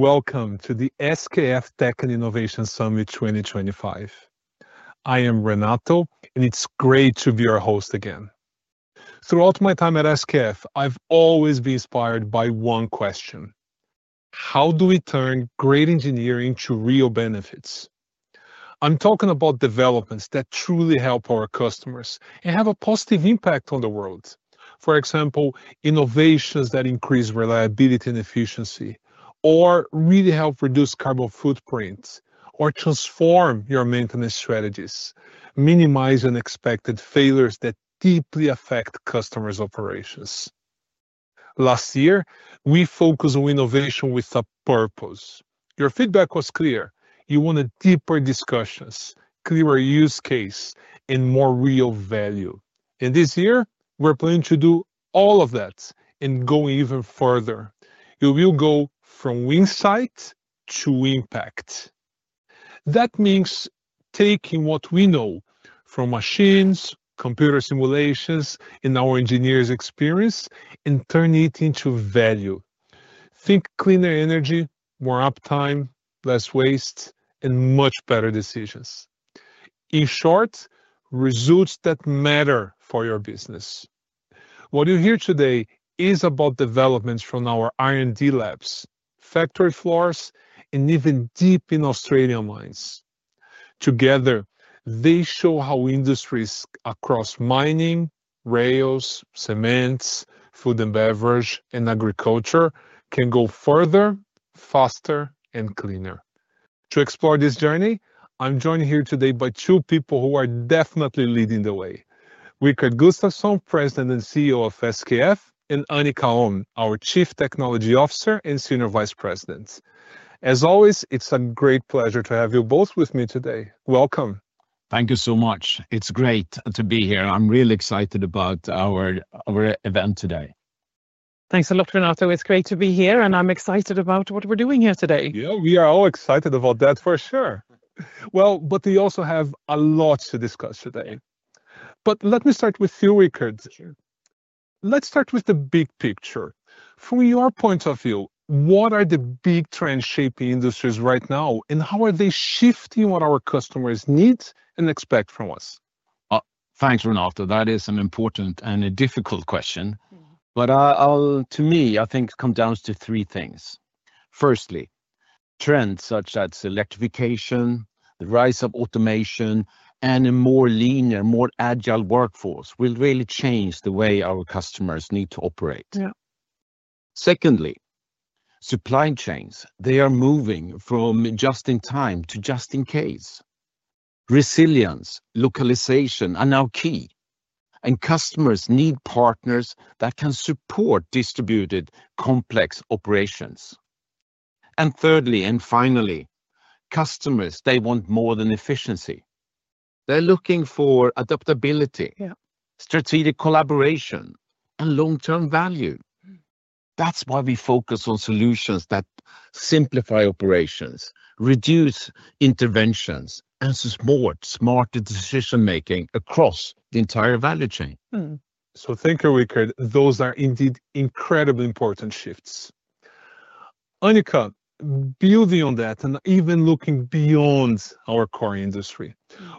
Welcome to the SKF Tech and Innovation Summit 2025. I am Renato, and it's great to be your host again. Throughout my time at SKF, I've always been inspired by one question: how do we turn great engineering into real benefits? I'm talking about developments that truly help our customers and have a positive impact on the world. For example, innovations that increase reliability and efficiency, or really help reduce carbon footprints, or transform your maintenance strategies, minimize unexpected failures that deeply affect customers' operations. Last year, we focused on innovation with a purpose. Your feedback was clear. You wanted deeper discussions, clearer use cases, and more real value. This year, we're planning to do all of that and go even further. We will go from insight to impact. That means taking what we know from machines, computer simulations, and our engineers' experience and turning it into value. Think cleaner energy, more uptime, less waste, and much better decisions. In short, results that matter for your business. What you hear today is about developments from our R&D labs, factory floors, and even deep in Australian mines. Together, they show how industries across mining, rails, cement, food and beverage, and agriculture can go further, faster, and cleaner. To explore this journey, I'm joined here today by two people who are definitely leading the way: Rickard Gustafson, President and CEO of SKF, and Annika Ölme, our Chief Technology Officer and Senior Vice President. As always, it's a great pleasure to have you both with me today. Welcome. Thank you so much. It's great to be here. I'm really excited about our event today. Thanks a lot, Renato. It's great to be here, and I'm excited about what we're doing here today. Yeah, we are all excited about that for sure. We also have a lot to discuss today. Let me start with you, Rickard. Sure. Let's start with the big picture. From your point of view, what are the big trends shaping industries right now, and how are they shifting what our customers need and expect from us? Thank you, Renato. That is an important and a difficult question. To me, I think it comes down to three things. Firstly, trends such as electrification, the rise of automation, and a more lean and more agile workforce will really change the way our customers need to operate. Yeah. Secondly, supply chains are moving from just-in-time to just-in-case. Resilience and localization are now key, and customers need partners that can support distributed, complex operations. Thirdly, and finally, customers want more than efficiency. They're looking for adaptability, strategic collaboration, and long-term value. That's why we focus on solutions that simplify operations, reduce interventions, and support smarter decision-making across the entire value chain. Thank you, Rickard. Those are indeed incredibly important shifts. Annika, building on that and even looking beyond our core industry,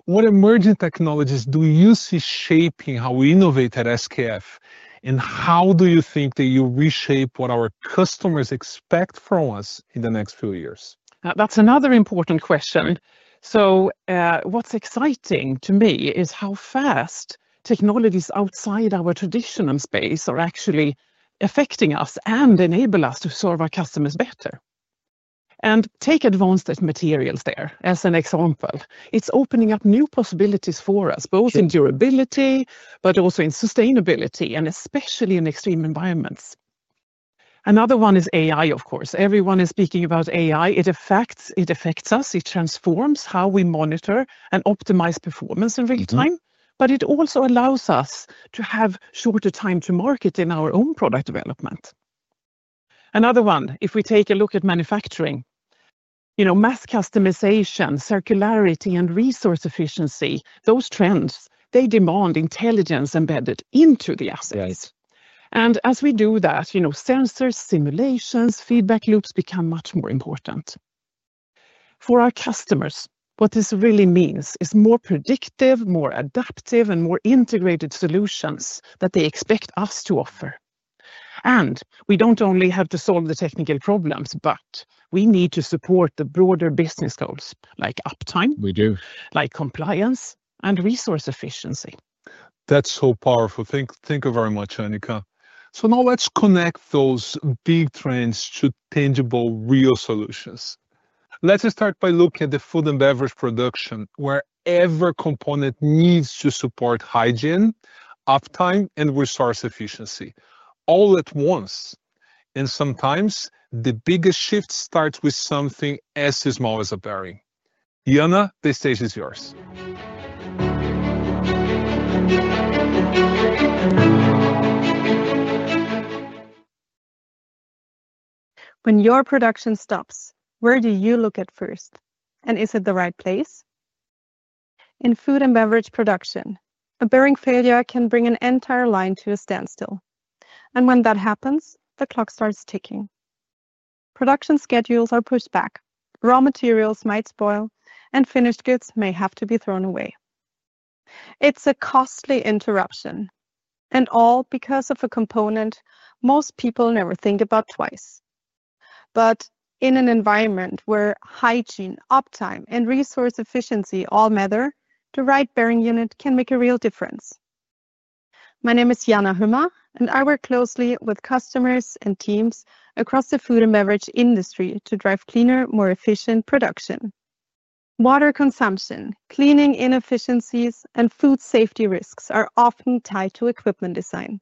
what emerging technologies do you see shaping how we innovate at SKF, and how do you think that you reshape what our customers expect from us in the next few years? That's another important question. What's exciting to me is how fast technologies outside our traditional space are actually affecting us and enable us to serve our customers better. Take advanced materials there, as an example. It's opening up new possibilities for us, both in durability and in sustainability, especially in extreme environments. Another one is artificial intelligence, of course. Everyone is speaking about artificial intelligence. It affects us. It transforms how we monitor and optimize performance in real time. It also allows us to have shorter time to market in our own product development. If we take a look at manufacturing, you know, mass customization, circularity, and resource efficiency, those trends demand intelligence embedded into the assets. As we do that, sensors, simulations, and feedback loops become much more important. For our customers, what this really means is more predictive, more adaptive, and more integrated solutions that they expect us to offer. We don't only have to solve the technical problems, but we need to support the broader business goals, like uptime. We do. Like compliance and resource efficiency. That's so powerful. Thank you very much, Annika. Now let's connect those big trends to tangible, real solutions. Let's start by looking at the food and beverage production, where every component needs to support hygiene, uptime, and resource efficiency, all at once. Sometimes, the biggest shift starts with something as small as a berry. Jana, the stage is yours. When your production stops, where do you look at first? Is it the right place? In food and beverage production, a bearing failure can bring an entire line to a standstill. When that happens, the clock starts ticking. Production schedules are pushed back, raw materials might spoil, and finished goods may have to be thrown away. It's a costly interruption, all because of a component most people never think about twice. In an environment where hygiene, uptime, and resource efficiency all matter, the right bearing unit can make a real difference. My name is Jana Huma, and I work closely with customers and teams across the food and beverage industry to drive cleaner, more efficient production. Water consumption, cleaning inefficiencies, and food safety risks are often tied to equipment design.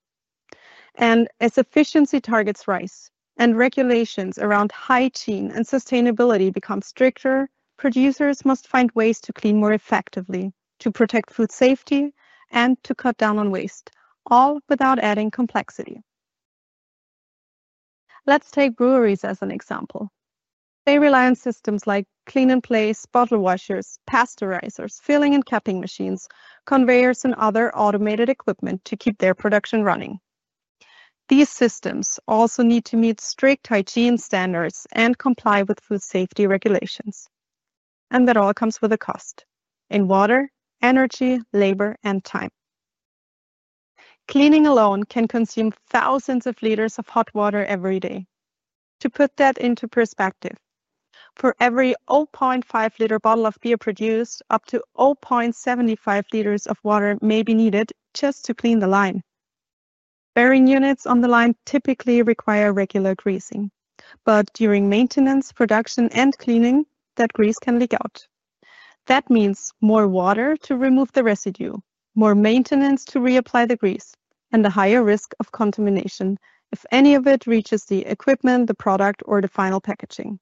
As efficiency targets rise and regulations around hygiene and sustainability become stricter, producers must find ways to clean more effectively, protect food safety, and cut down on waste, all without adding complexity. Let's take breweries as an example. They rely on systems like clean-in-place bottle washers, pasteurizers, filling and capping machines, conveyors, and other automated equipment to keep their production running. These systems also need to meet strict hygiene standards and comply with food safety regulations. That all comes with a cost in water, energy, labor, and time. Cleaning alone can consume thousands of liters of hot water every day. To put that into perspective, for every 0.5-liter bottle of beer produced, up to 0.75 liters of water may be needed just to clean the line. Bearing units on the line typically require regular greasing. During maintenance, production, and cleaning, that grease can leak out. That means more water to remove the residue, more maintenance to reapply the grease, and a higher risk of contamination if any of it reaches the equipment, the product, or the final packaging.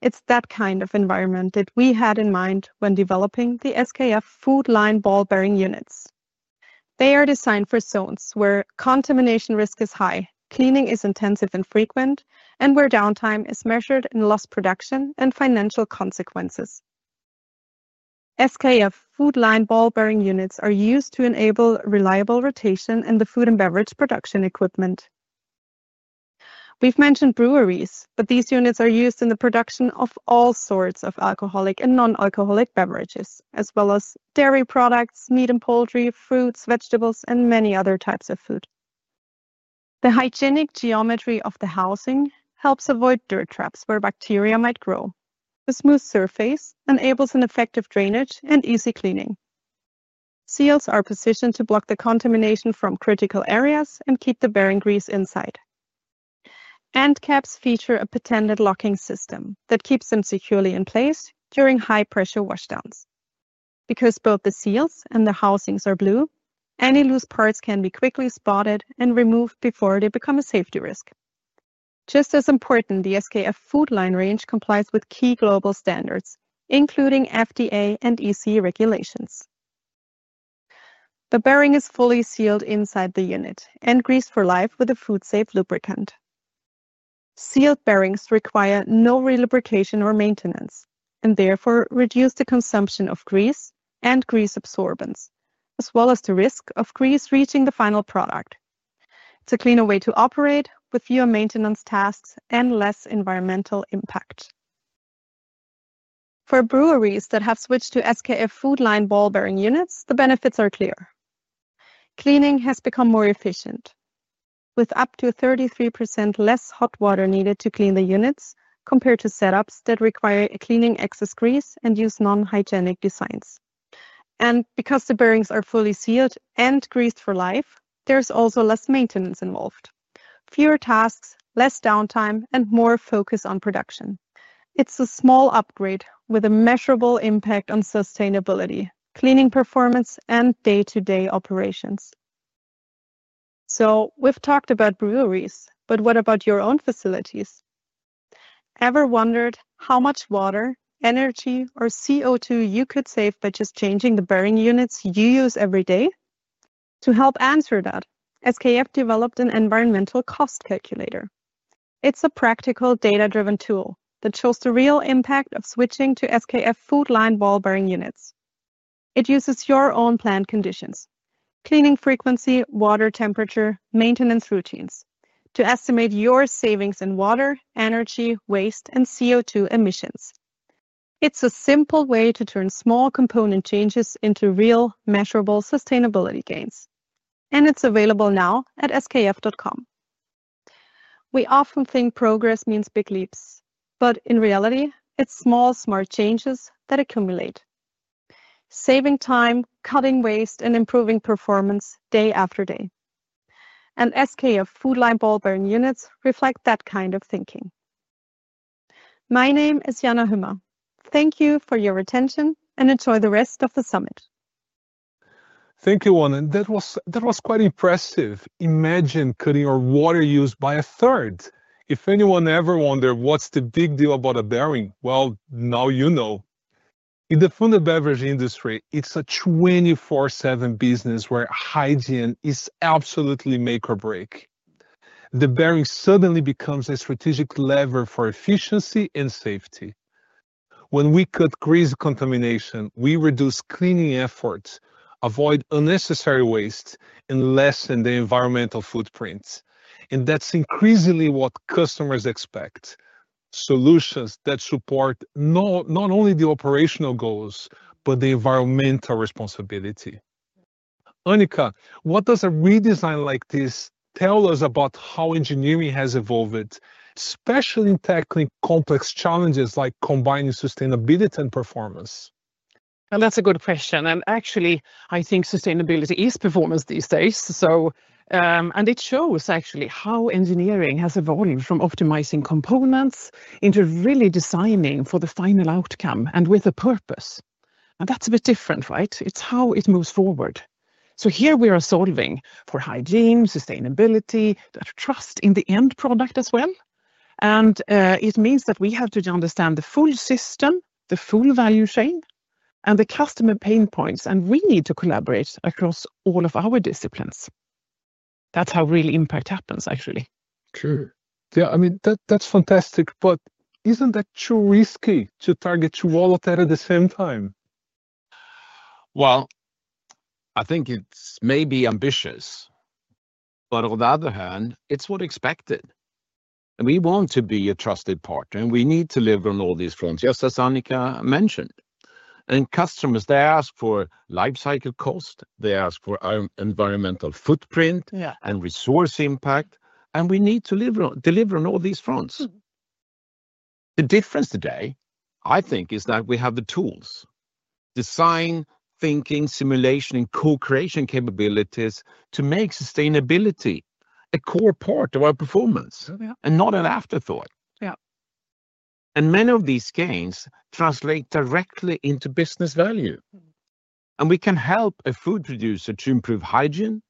It's that kind of environment that we had in mind when developing the SKF Food Line ball bearing units. They are designed for zones where contamination risk is high, cleaning is intensive and frequent, and where downtime is measured in lost production and financial consequences. SKF Food Line ball bearing units are used to enable reliable rotation in the food and beverage production equipment. We've mentioned breweries, but these units are used in the production of all sorts of alcoholic and non-alcoholic beverages, as well as dairy products, meat and poultry, fruits, vegetables, and many other types of food. The hygienic geometry of the housing helps avoid dirt traps where bacteria might grow. The smooth surface enables effective drainage and easy cleaning. Seals are positioned to block contamination from critical areas and keep the bearing grease inside. Caps feature a patented locking system that keeps them securely in place during high-pressure washdowns. Because both the seals and the housings are blue, any loose parts can be quickly spotted and removed before they become a safety risk. Just as important, the SKF Food Line range complies with key global standards, including FDA and ECE regulations. The bearing is fully sealed inside the unit and greased for life with a food-safe lubricant. Sealed bearings require no re-lubrication or maintenance and therefore reduce the consumption of grease and grease absorbance, as well as the risk of grease reaching the final product. It's a cleaner way to operate with fewer maintenance tasks and less environmental impact. For breweries that have switched to SKF Food Line ball bearing units, the benefits are clear. Cleaning has become more efficient, with up to 33% less hot water needed to clean the units compared to setups that require cleaning excess grease and use non-hygienic designs. Because the bearings are fully sealed and greased for life, there's also less maintenance involved. Fewer tasks, less downtime, and more focus on production. It's a small upgrade with a measurable impact on sustainability, cleaning performance, and day-to-day operations. We've talked about breweries, but what about your own facilities? Ever wondered how much water, energy, or CO2 you could save by just changing the bearing units you use every day? To help answer that, SKF developed an environmental cost calculator. It's a practical, data-driven tool that shows the real impact of switching to SKF Food Line ball bearing units. It uses your own plant conditions, cleaning frequency, water temperature, and maintenance routines to estimate your savings in water, energy, waste, and CO2 emissions. It's a simple way to turn small component changes into real, measurable sustainability gains. It's available now at skf.com. We often think progress means big leaps, but in reality, it's small, smart changes that accumulate, saving time, cutting waste, and improving performance day after day. SKF Food Line ball bearing units reflect that kind of thinking. My name is Jana Huma. Thank you for your attention, and enjoy the rest of the summit. Thank you, Annika. That was quite impressive. Imagine cutting our water use by a third. If anyone ever wondered what's the big deal about a bearing, now you know. In the food and beverage industry, it's a 24/7 business where hygiene is absolutely make or break. The bearing suddenly becomes a strategic lever for efficiency and safety. When we cut grease contamination, we reduce cleaning efforts, avoid unnecessary waste, and lessen the environmental footprint. That's increasingly what customers expect: solutions that support not only the operational goals, but the environmental responsibility. Annika, what does a redesign like this tell us about how engineering has evolved, especially in tackling complex challenges like combining sustainability and performance? That's a good question. Actually, I think sustainability is performance these days. It shows how engineering has evolved from optimizing components into really designing for the final outcome and with a purpose. That's a bit different, right? It's how it moves forward. Here we are solving for hygiene, sustainability, the trust in the end product as well. It means that we have to understand the full system, the full value chain, and the customer pain points. We need to collaborate across all of our disciplines. That's how real impact happens, actually. True. Yeah, I mean, that's fantastic. Isn't that too risky to target two wallets at the same time? I think it's maybe ambitious. On the other hand, it's what's expected. We want to be a trusted partner, and we need to live on all these fronts, just as Annika mentioned. Customers ask for lifecycle cost, they ask for our environmental footprint and resource impact, and we need to deliver on all these fronts. The difference today, I think, is that we have the tools: design thinking, simulation, and co-creation capabilities to make sustainability a core part of our performance and not an afterthought. Yeah. Many of these gains translate directly into business value. We can help a food producer to improve hygiene,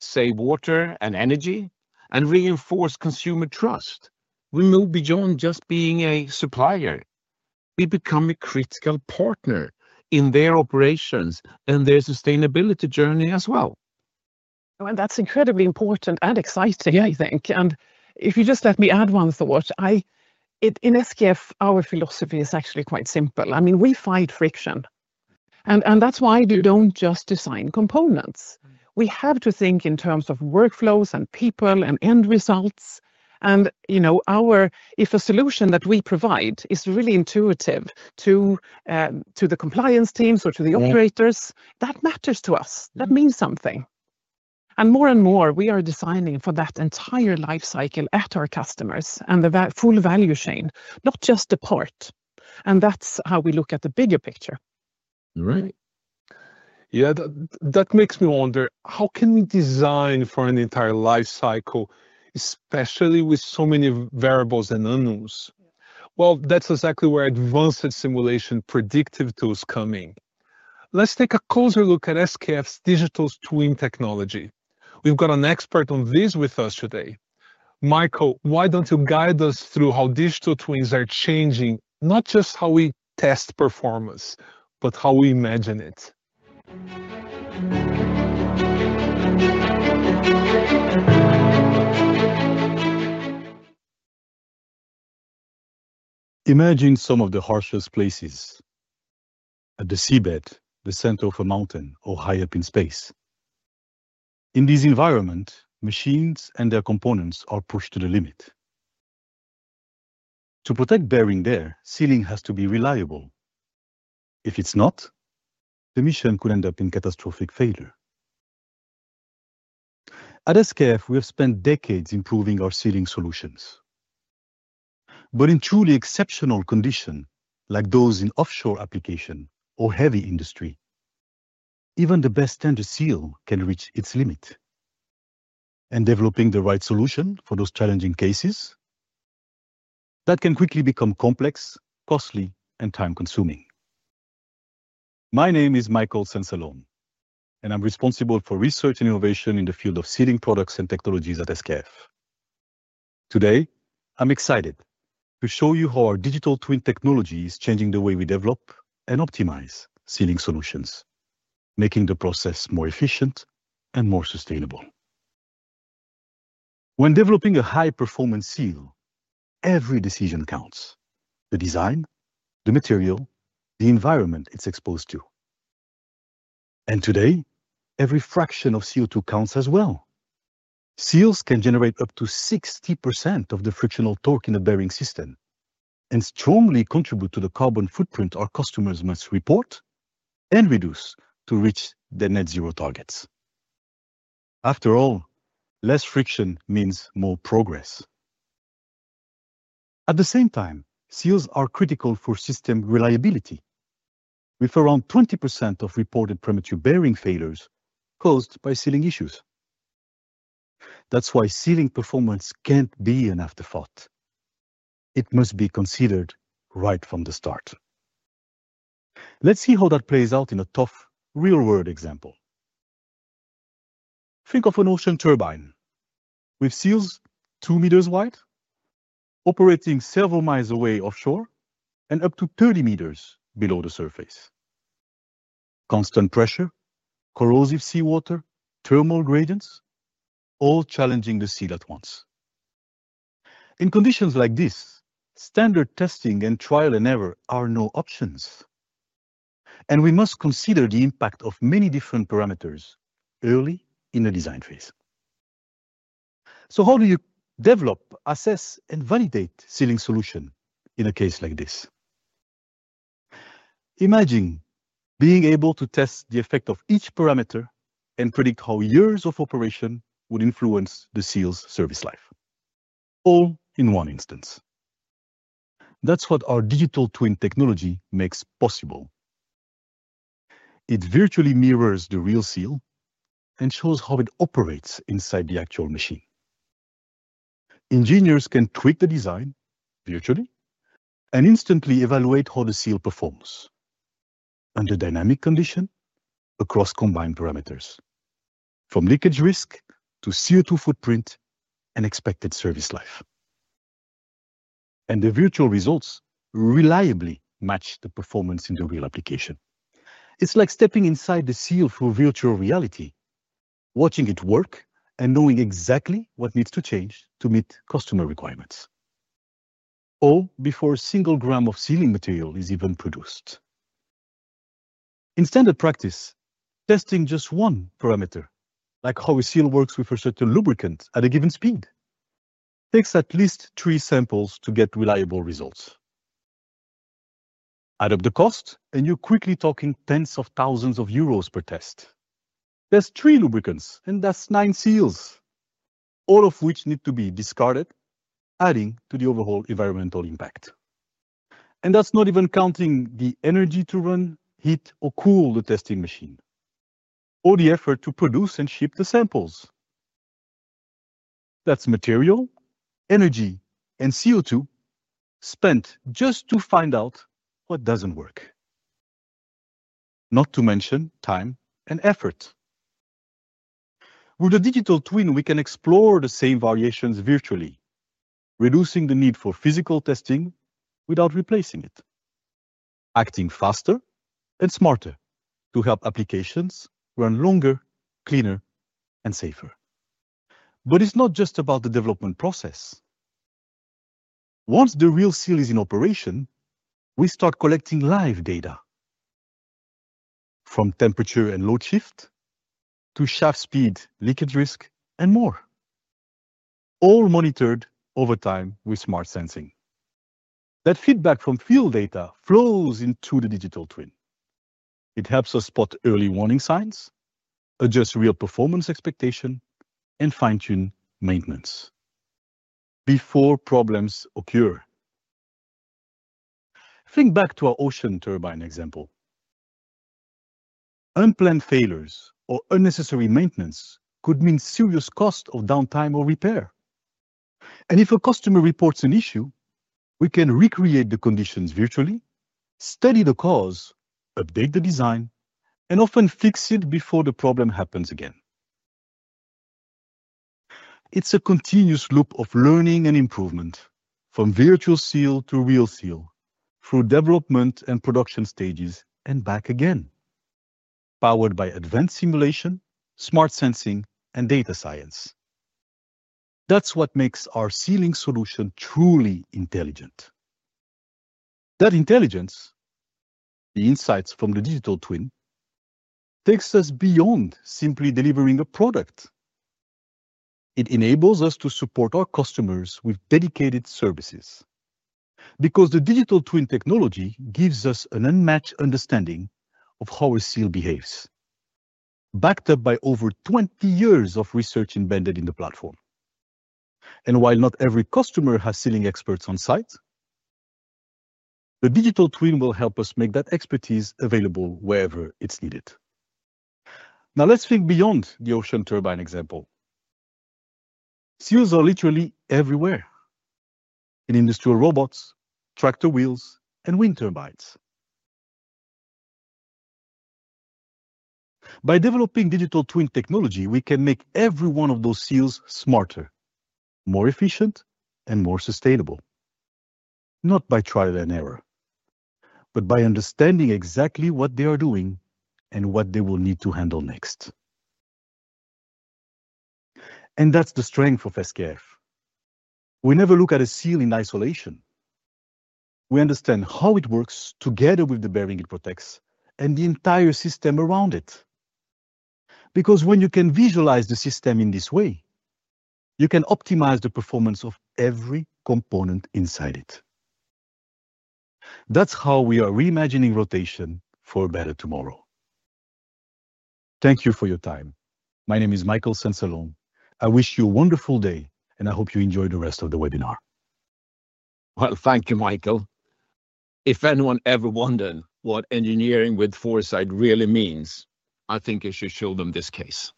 save water and energy, and reinforce consumer trust. We move beyond just being a supplier. We become a critical partner in their operations and their sustainability journey as well. That's incredibly important and exciting, I think. If you just let me add one thought, in SKF, our philosophy is actually quite simple. I mean, we fight friction. That's why you don't just design components. We have to think in terms of workflows and people and end results. If a solution that we provide is really intuitive to the compliance teams or to the operators, that matters to us. That means something. More and more, we are designing for that entire lifecycle at our customers and the full value chain, not just the part. That's how we look at the bigger picture. Right. Yeah, that makes me wonder, how can we design for an entire lifecycle, especially with so many variables and unknowns? That's exactly where advanced simulation predictive tools come in. Let's take a closer look at SKF's digital twin technology. We've got an expert on this with us today. Michael, why don't you guide us through how digital twins are changing, not just how we test performance, but how we imagine it? Imagine some of the harshest places: at the seabed, the center of a mountain, or high up in space. In this environment, machines and their components are pushed to the limit. To protect bearing there, sealing has to be reliable. If it's not, the mission could end up in catastrophic failure. At SKF, we have spent decades improving our sealing solutions. In truly exceptional conditions, like those in offshore applications or heavy industry, even the best-tended seal can reach its limit. Developing the right solution for those challenging cases can quickly become complex, costly, and time-consuming. My name is Michael Sensalon, and I'm responsible for research and innovation in the field of sealing products and technologies at SKF. Today, I'm excited to show you how our digital twin technology is changing the way we develop and optimize sealing solutions, making the process more efficient and more sustainable. When developing a high-performance seal, every decision counts: the design, the material, the environment it's exposed to. Today, every fraction of CO2 counts as well. Seals can generate up to 60% of the frictional torque in a bearing system and strongly contribute to the carbon footprint our customers must report and reduce to reach their net zero targets. After all, less friction means more progress. At the same time, seals are critical for system reliability, with around 20% of reported premature bearing failures caused by sealing issues. That's why sealing performance can't be an afterthought. It must be considered right from the start. Let's see how that plays out in a tough real-world example. Think of an ocean turbine with seals two meters wide, operating several miles away offshore, and up to 30 meters below the surface. Constant pressure, corrosive seawater, thermal gradients, all challenging the seal at once. In conditions like this, standard testing and trial and error are no options. We must consider the impact of many different parameters early in the design phase. How do you develop, assess, and validate sealing solutions in a case like this? Imagine being able to test the effect of each parameter and predict how years of operation would influence the seal's service life, all in one instance. That's what our digital twin technology makes possible. It virtually mirrors the real seal and shows how it operates inside the actual machine. Engineers can tweak the design virtually and instantly evaluate how the seal performs under dynamic conditions, across combined parameters, from leakage risk to CO2 footprint and expected service life. The virtual results reliably match the performance in the real application. It's like stepping inside the seal through virtual reality, watching it work, and knowing exactly what needs to change to meet customer requirements, all before a single gram of sealing material is even produced. In standard practice, testing just one parameter, like how a seal works with a certain lubricant at a given speed, takes at least three samples to get reliable results. Add up the cost, and you're quickly talking tens of thousands of euros per test. There are three lubricants, and that's nine seals, all of which need to be discarded, adding to the overall environmental impact. That is not even counting the energy to run, heat, or cool the testing machine, or the effort to produce and ship the samples. That's material, energy, and CO2 spent just to find out what doesn't work. Not to mention time and effort. With a digital twin, we can explore the same variations virtually, reducing the need for physical testing without replacing it, acting faster and smarter to help applications run longer, cleaner, and safer. It's not just about the development process. Once the real seal is in operation, we start collecting live data, from temperature and load shift to shaft speed, leakage risk, and more, all monitored over time with smart sensing. That feedback from field data flows into the digital twin. It helps us spot early warning signs, adjust real performance expectations, and fine-tune maintenance before problems occur. Think back to our ocean turbine example. Unplanned failures or unnecessary maintenance could mean serious costs of downtime or repair. If a customer reports an issue, we can recreate the conditions virtually, study the cause, update the design, and often fix it before the problem happens again. It's a continuous loop of learning and improvement, from virtual seal to real seal, through development and production stages, and back again, powered by advanced simulation, smart sensing, and data science. That's what makes our sealing solution truly intelligent. That intelligence, the insights from the digital twin, take us beyond simply delivering a product. It enables us to support our customers with dedicated services because the digital twin technology gives us an unmatched understanding of how a seal behaves, backed up by over 20 years of research embedded in the platform. While not every customer has sealing experts on site, the digital twin will help us make that expertise available wherever it's needed. Now let's think beyond the ocean turbine example. Seals are literally everywhere: in industrial robots, tractor wheels, and wind turbines. By developing digital twin technology, we can make every one of those seals smarter, more efficient, and more sustainable, not by trial and error, but by understanding exactly what they are doing and what they will need to handle next. That is the strength of SKF. We never look at a seal in isolation. We understand how it works together with the bearing it protects and the entire system around it. When you can visualize the system in this way, you can optimize the performance of every component inside it. That is how we are reimagining rotation for a better tomorrow. Thank you for your time. My name is Michael Sensalon. I wish you a wonderful day, and I hope you enjoy the rest of the webinar. Thank you, Michael. If anyone ever wondered what engineering with foresight really means, I think you should show them this case.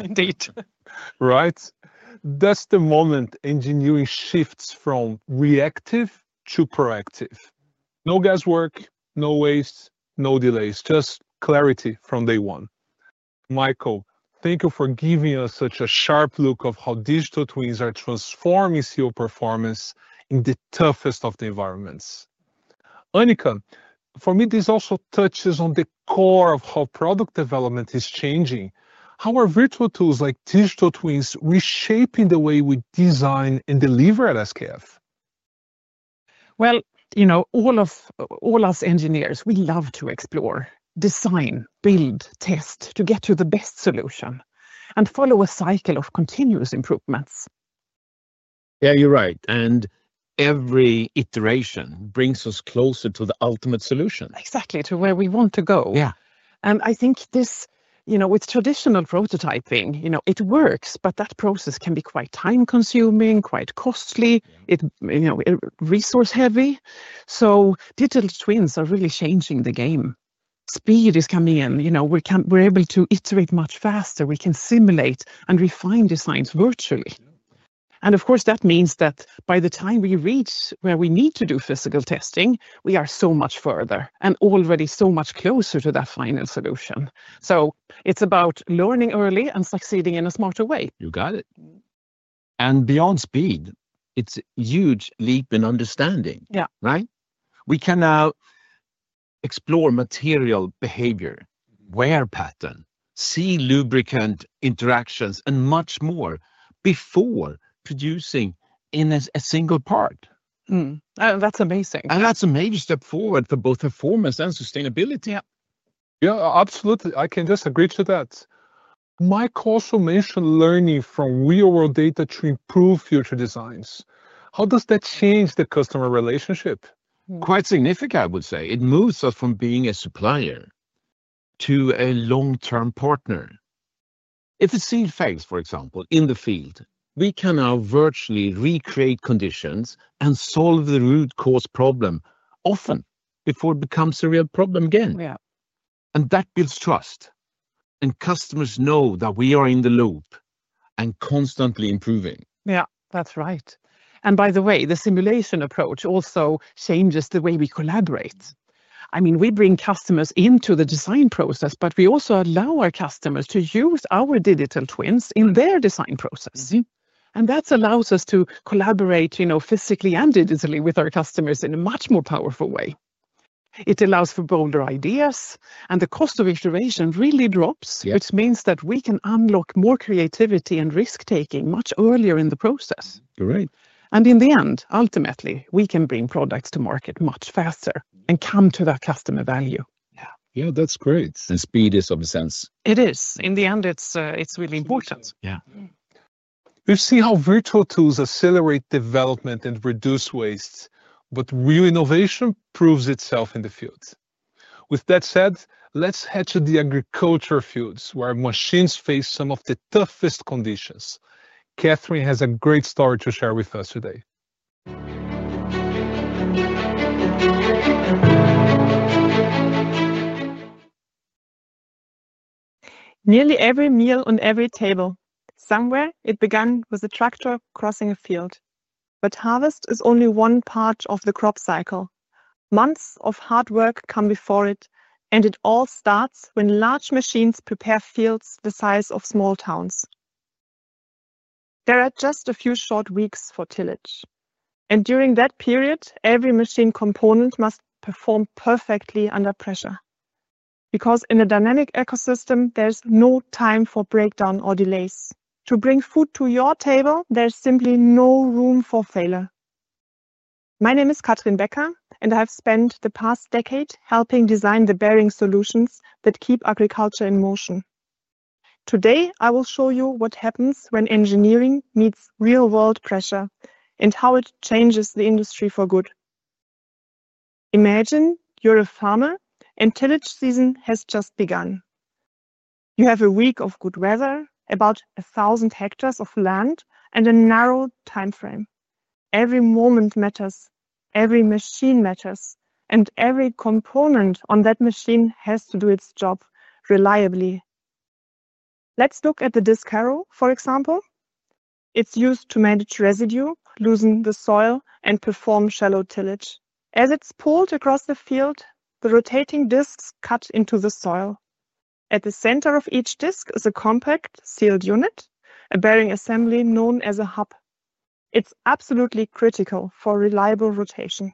Indeed. Right? That's the moment engineering shifts from reactive to proactive. No guesswork, no waste, no delays, just clarity from day one. Michael, thank you for giving us such a sharp look at how digital twins are transforming seal performance in the toughest of the environments. Annika, for me, this also touches on the core of how product development is changing, how our virtual tools like digital twins reshape the way we design and deliver at SKF. All us engineers, we love to explore, design, build, test to get to the best solution, and follow a cycle of continuous improvements. You're right. Every iteration brings us closer to the ultimate solution. Exactly, to where we want to go. Yeah. I think this, you know, with traditional prototyping, it works, but that process can be quite time-consuming, quite costly, resource-heavy. Digital twins are really changing the game. Speed is coming in. We're able to iterate much faster. We can simulate and refine designs virtually. Of course, that means that by the time we reach where we need to do physical testing, we are so much further and already so much closer to that final solution. It's about learning early and succeeding in a smarter way. You got it. Beyond speed, it's a huge leap in understanding. Yeah. Right? We can now explore material behavior, wear pattern, seal lubricant interactions, and much more before producing a single part. That's amazing. That's a major step forward for both performance and sustainability. Yeah, absolutely. I can just agree to that. Mike also mentioned learning from real-world data to improve future designs. How does that change the customer relationship? Quite significant, I would say. It moves us from being a supplier to a long-term partner. If a seal fails, for example, in the field, we can now virtually recreate conditions and solve the root cause problem, often before it becomes a real problem again. Yeah. That gives trust, and customers know that we are in the loop and constantly improving. Yeah, that's right. By the way, the simulation approach also changes the way we collaborate. I mean, we bring customers into the design process, but we also allow our customers to use our digital twins in their design process. That allows us to collaborate physically and digitally with our customers in a much more powerful way. It allows for bolder ideas, and the cost of iteration really drops, which means that we can unlock more creativity and risk-taking much earlier in the process. You're right. Ultimately, we can bring products to market much faster and come to that customer value. Yeah, that's great. Speed is of essence. It is, in the end, it's really important. Yeah. We've seen how virtual tools accelerate development and reduce waste, but real innovation proves itself in the fields. With that said, let's head to the agricultural fields where machines face some of the toughest conditions. Kathryn has a great story to share with us today. Nearly every meal on every table, somewhere it began with a tractor crossing a field. Harvest is only one part of the crop cycle. Months of hard work come before it, and it all starts when large machines prepare fields the size of small towns. There are just a few short weeks for tillage. During that period, every machine component must perform perfectly under pressure. In a dynamic ecosystem, there's no time for breakdown or delays. To bring food to your table, there's simply no room for failure. My name is Kathryn Becker, and I've spent the past decade helping design the bearing solutions that keep agriculture in motion. Today, I will show you what happens when engineering meets real-world pressure and how it changes the industry for good. Imagine you're a farmer, and tillage season has just begun. You have a week of good weather, about 1,000 hectares of land, and a narrow time frame. Every moment matters. Every machine matters. Every component on that machine has to do its job reliably. Let's look at the disc harrow, for example. It's used to manage residue, loosen the soil, and perform shallow tillage. As it's pulled across the field, the rotating discs cut into the soil. At the center of each disc is a compact sealed unit, a bearing assembly known as a hub. It's absolutely critical for reliable rotation.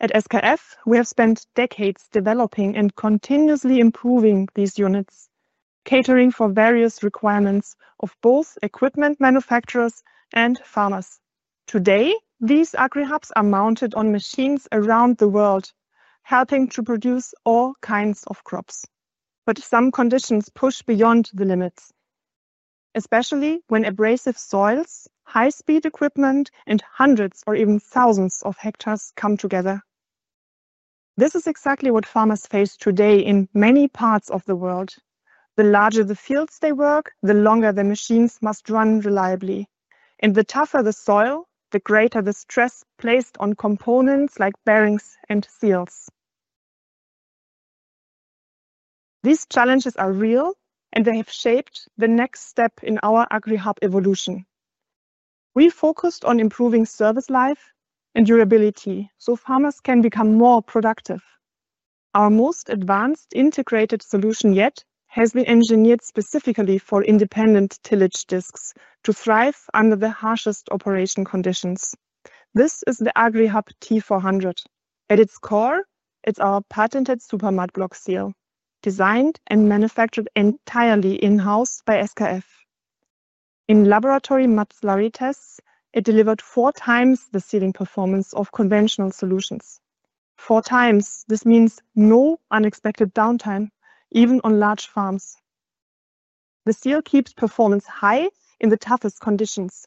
At SKF, we have spent decades developing and continuously improving these units, catering for various requirements of both equipment manufacturers and farmers. Today, these agri-hubs are mounted on machines around the world, helping to produce all kinds of crops. Some conditions push beyond the limits, especially when abrasive soils, high-speed equipment, and hundreds or even thousands of hectares come together. This is exactly what farmers face today in many parts of the world. The larger the fields they work, the longer the machines must run reliably. The tougher the soil, the greater the stress placed on components like bearings and seals. These challenges are real, and they have shaped the next step in our agri-hub evolution. We focused on improving service life and durability so farmers can become more productive. Our most advanced integrated solution yet has been engineered specifically for independent tillage discs to thrive under the harshest operation conditions. This is the AgriHub T400. At its core, it's our patented super mud block seal, designed and manufactured entirely in-house by SKF. In laboratory mud slurry tests, it delivered four times the sealing performance of conventional solutions. Four times, this means no unexpected downtime, even on large farms. The seal keeps performance high in the toughest conditions.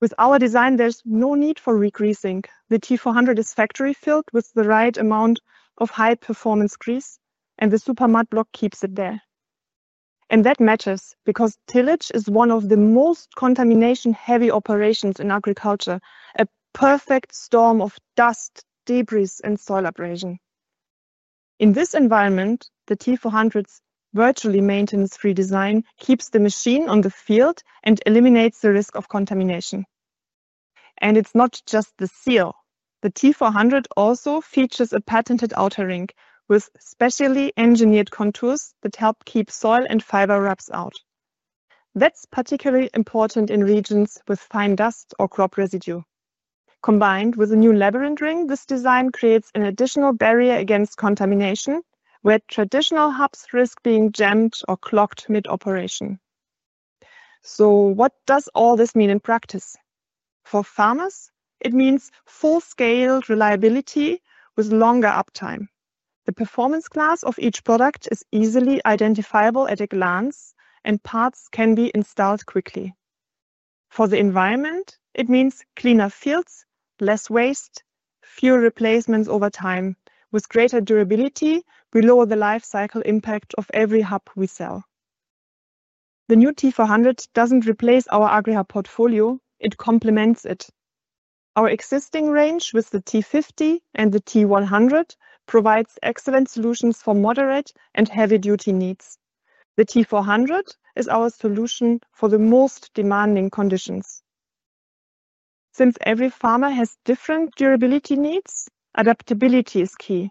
With our design, there's no need for regreasing. The T400 is factory-filled with the right amount of high-performance grease, and the super mud block keeps it there. That matters because tillage is one of the most contamination-heavy operations in agriculture, a perfect storm of dust, debris, and soil abrasion. In this environment, the T400's virtually maintenance-free design keeps the machine on the field and eliminates the risk of contamination. It's not just the seal. The T400 also features a patented outer ring with specially engineered contours that help keep soil and fiber rubs out. That's particularly important in regions with fine dust or crop residue. Combined with a new labyrinth ring, this design creates an additional barrier against contamination, where traditional hubs risk being jammed or clogged mid-operation. What does all this mean in practice? For farmers, it means full-scale reliability with longer uptime. The performance class of each product is easily identifiable at a glance, and parts can be installed quickly. For the environment, it means cleaner fields, less waste, fewer replacements over time. With greater durability, we lower the lifecycle impact of every hub we sell. The new T400 doesn't replace our AgriHub portfolio; it complements it. Our existing range with the T50 and the T100 provides excellent solutions for moderate and heavy-duty needs. The T400 is our solution for the most demanding conditions. Since every farmer has different durability needs, adaptability is key.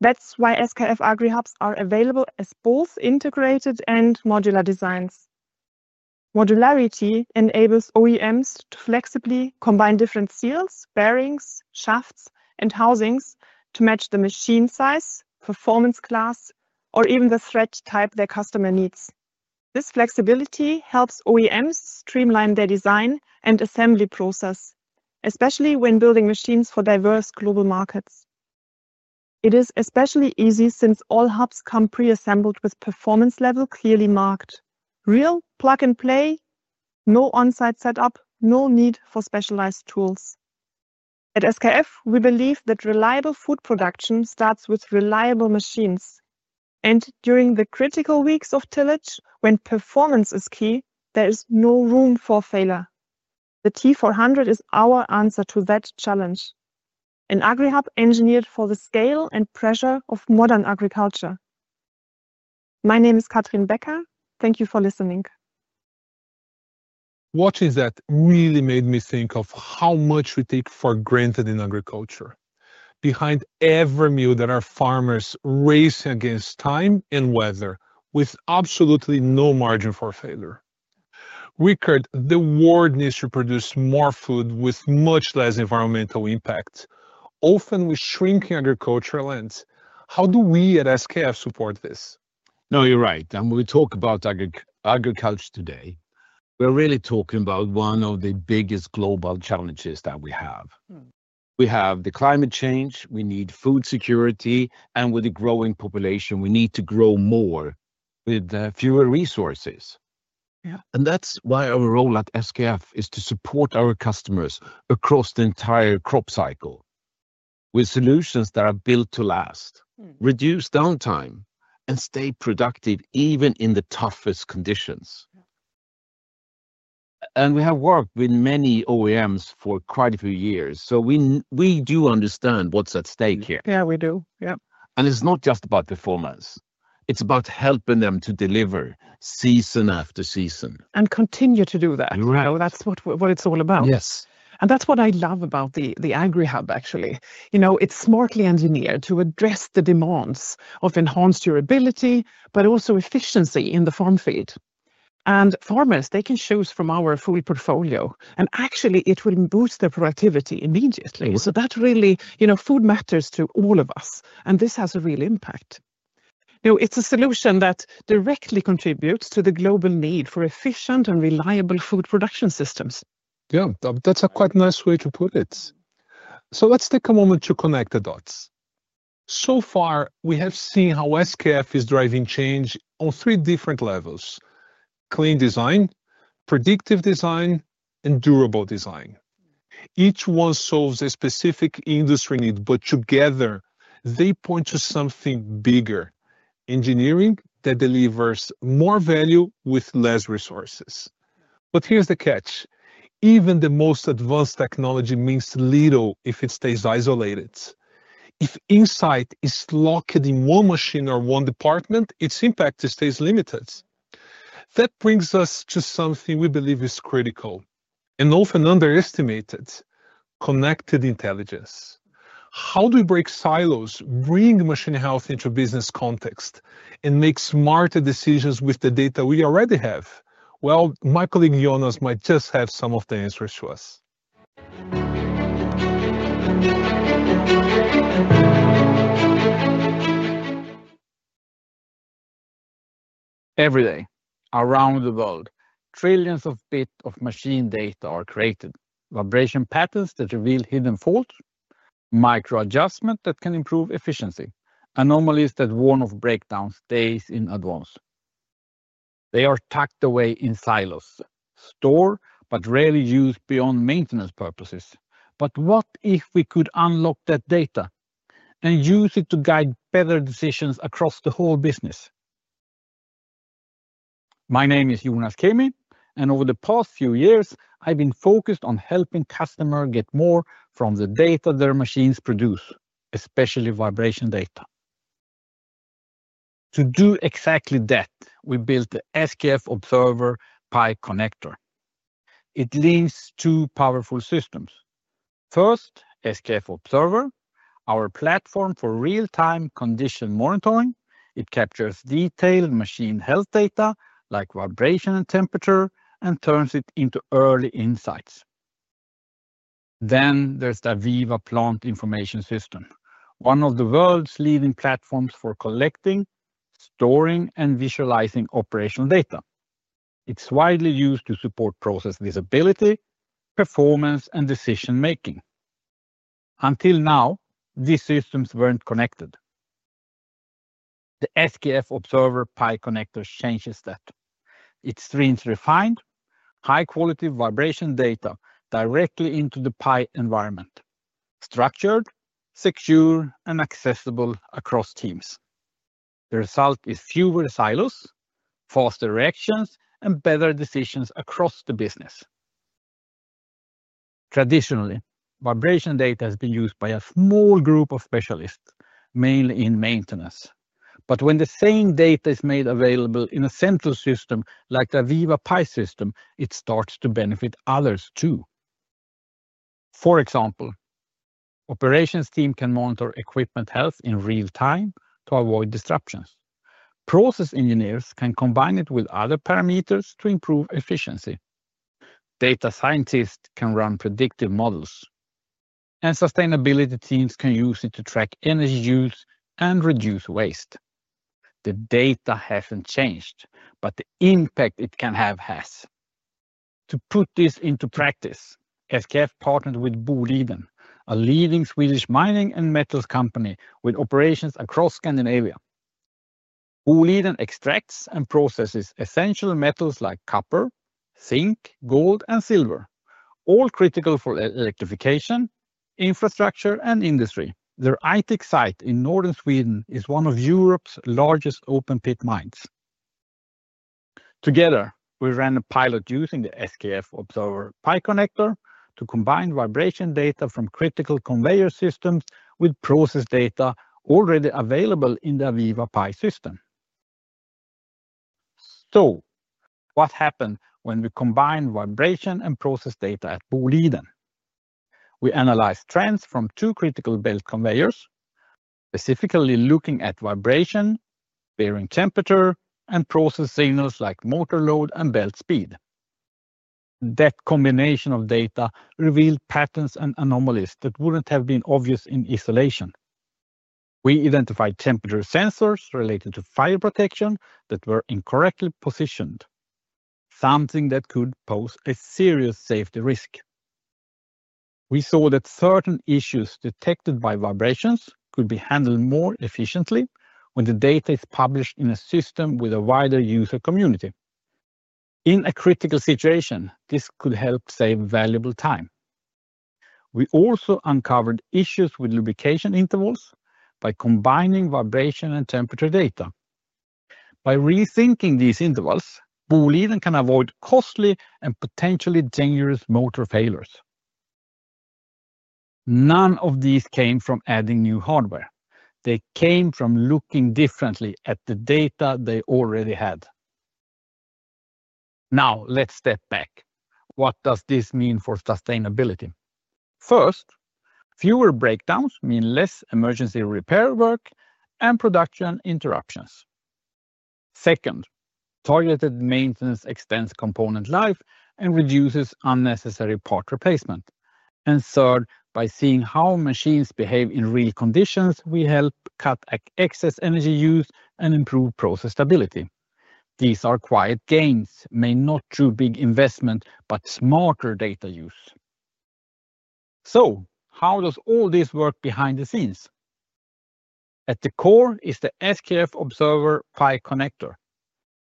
That's why SKF AgriHubs are available as both integrated and modular designs. Modularity enables OEMs to flexibly combine different seals, bearings, shafts, and housings to match the machine size, performance class, or even the thread type their customer needs. This flexibility helps OEMs streamline their design and assembly process, especially when building machines for diverse global markets. It is especially easy since all hubs come pre-assembled with performance level clearly marked. Real plug-and-play, no onsite setup, no need for specialized tools. At SKF, we believe that reliable food production starts with reliable machines. During the critical weeks of tillage, when performance is key, there is no room for failure. The AgriHub T400 is our answer to that challenge, an AgriHub engineered for the scale and pressure of modern agriculture. My name is Kathryn Becker. Thank you for listening. Watching that really made me think of how much we take for granted in agriculture, behind every meal that our farmers race against time and weather, with absolutely no margin for failure. Rickard, the world needs to produce more food with much less environmental impact, often with shrinking agricultural lands. How do we at SKF support this? No, you're right. When we talk about agriculture today, we're really talking about one of the biggest global challenges that we have. We have climate change, we need food security, and with a growing population, we need to grow more with fewer resources. Yeah. Our role at SKF is to support our customers across the entire crop cycle with solutions that are built to last, reduce downtime, and stay productive even in the toughest conditions. We have worked with many OEMs for quite a few years, so we do understand what's at stake here. Yeah, we do. Yeah. It is not just about performance. It is about helping them to deliver season after season. We continue to do that. You're right. That's what it's all about. Yes. That's what I love about the AgriHub T400, actually. You know, it's smartly engineered to address the demands of enhanced durability, but also efficiency in the farm field. Farmers can choose from our full portfolio, and actually, it will boost their productivity immediately. Absolutely. Food matters to all of us, and this has a real impact. It's a solution that directly contributes to the global need for efficient and reliable food production systems. Yeah, that's a quite nice way to put it. Let's take a moment to connect the dots. So far, we have seen how SKF is driving change on three different levels: clean design, predictive design, and durable design. Each one solves a specific industry need, but together, they point to something bigger: engineering that delivers more value with less resources. Here's the catch. Even the most advanced technology means little if it stays isolated. If insight is locked in one machine or one department, its impact stays limited. That brings us to something we believe is critical and often underestimated: connected intelligence. How do we break silos, bring machine health into a business context, and make smarter decisions with the data we already have? Michael and Jonas might just have some of the answers to us. Every day, around the world, trillions of bits of machine data are created: vibration patterns that reveal hidden faults, microadjustments that can improve efficiency, anomalies that warn of breakdowns days in advance. They are tucked away in silos, stored, but rarely used beyond maintenance purposes. What if we could unlock that data and use it to guide better decisions across the whole business? My name is Jonas Kämme, and over the past few years, I've been focused on helping customers get more from the data their machines produce, especially vibration data. To do exactly that, we built the SKF Observer Pi Connector. It links two powerful systems. First, SKF Observer, our platform for real-time condition monitoring. It captures detailed machine health data, like vibration and temperature, and turns it into early insights. Then there's the AVEVA Plant Information System, one of the world's leading platforms for collecting, storing, and visualizing operational data. It's widely used to support process visibility, performance, and decision-making. Until now, these systems weren't connected. The SKF Observer Pi Connector changes that. It streams refined, high-quality vibration data directly into the Pi environment, structured, secure, and accessible across teams. The result is fewer silos, faster reactions, and better decisions across the business. Traditionally, vibration data has been used by a small group of specialists, mainly in maintenance. When the same data is made available in a central system, like the AVEVA Pi system, it starts to benefit others too. For example, the operations team can monitor equipment health in real time to avoid disruptions. Process engineers can combine it with other parameters to improve efficiency. Data scientists can run predictive models. Sustainability teams can use it to track energy use and reduce waste. The data hasn't changed, but the impact it can have has. To put this into practice, SKF partnered with Boliden, a leading Swedish mining and metals company with operations across Scandinavia. Boliden extracts and processes essential metals like copper, zinc, gold, and silver, all critical for electrification, infrastructure, and industry. Their ITEC site in northern Sweden is one of Europe's largest open-pit mines. Together, we ran a pilot using the SKF Observer Pi Connector to combine vibration data from critical conveyor systems with process data already available in the AVEVA Pi system. What happened when we combined vibration and process data at Boliden? We analyzed trends from two critical belt conveyors, specifically looking at vibration, bearing temperature, and process signals like motor load and belt speed. That combination of data revealed patterns and anomalies that wouldn't have been obvious in isolation. We identified temperature sensors related to fire protection that were incorrectly positioned, something that could pose a serious safety risk. We saw that certain issues detected by vibrations could be handled more efficiently when the data is published in a system with a wider user community. In a critical situation, this could help save valuable time. We also uncovered issues with lubrication intervals by combining vibration and temperature data. By rethinking these intervals, Boliden can avoid costly and potentially dangerous motor failures. None of these came from adding new hardware. They came from looking differently at the data they already had. Now, let's step back. What does this mean for sustainability? First, fewer breakdowns mean less emergency repair work and production interruptions. Second, targeted maintenance extends component life and reduces unnecessary part replacement. Third, by seeing how machines behave in real conditions, we help cut excess energy use and improve process stability. These are quiet gains, may not do big investment, but smarter data use. How does all this work behind the scenes? At the core is the SKF Observer Pi Connector,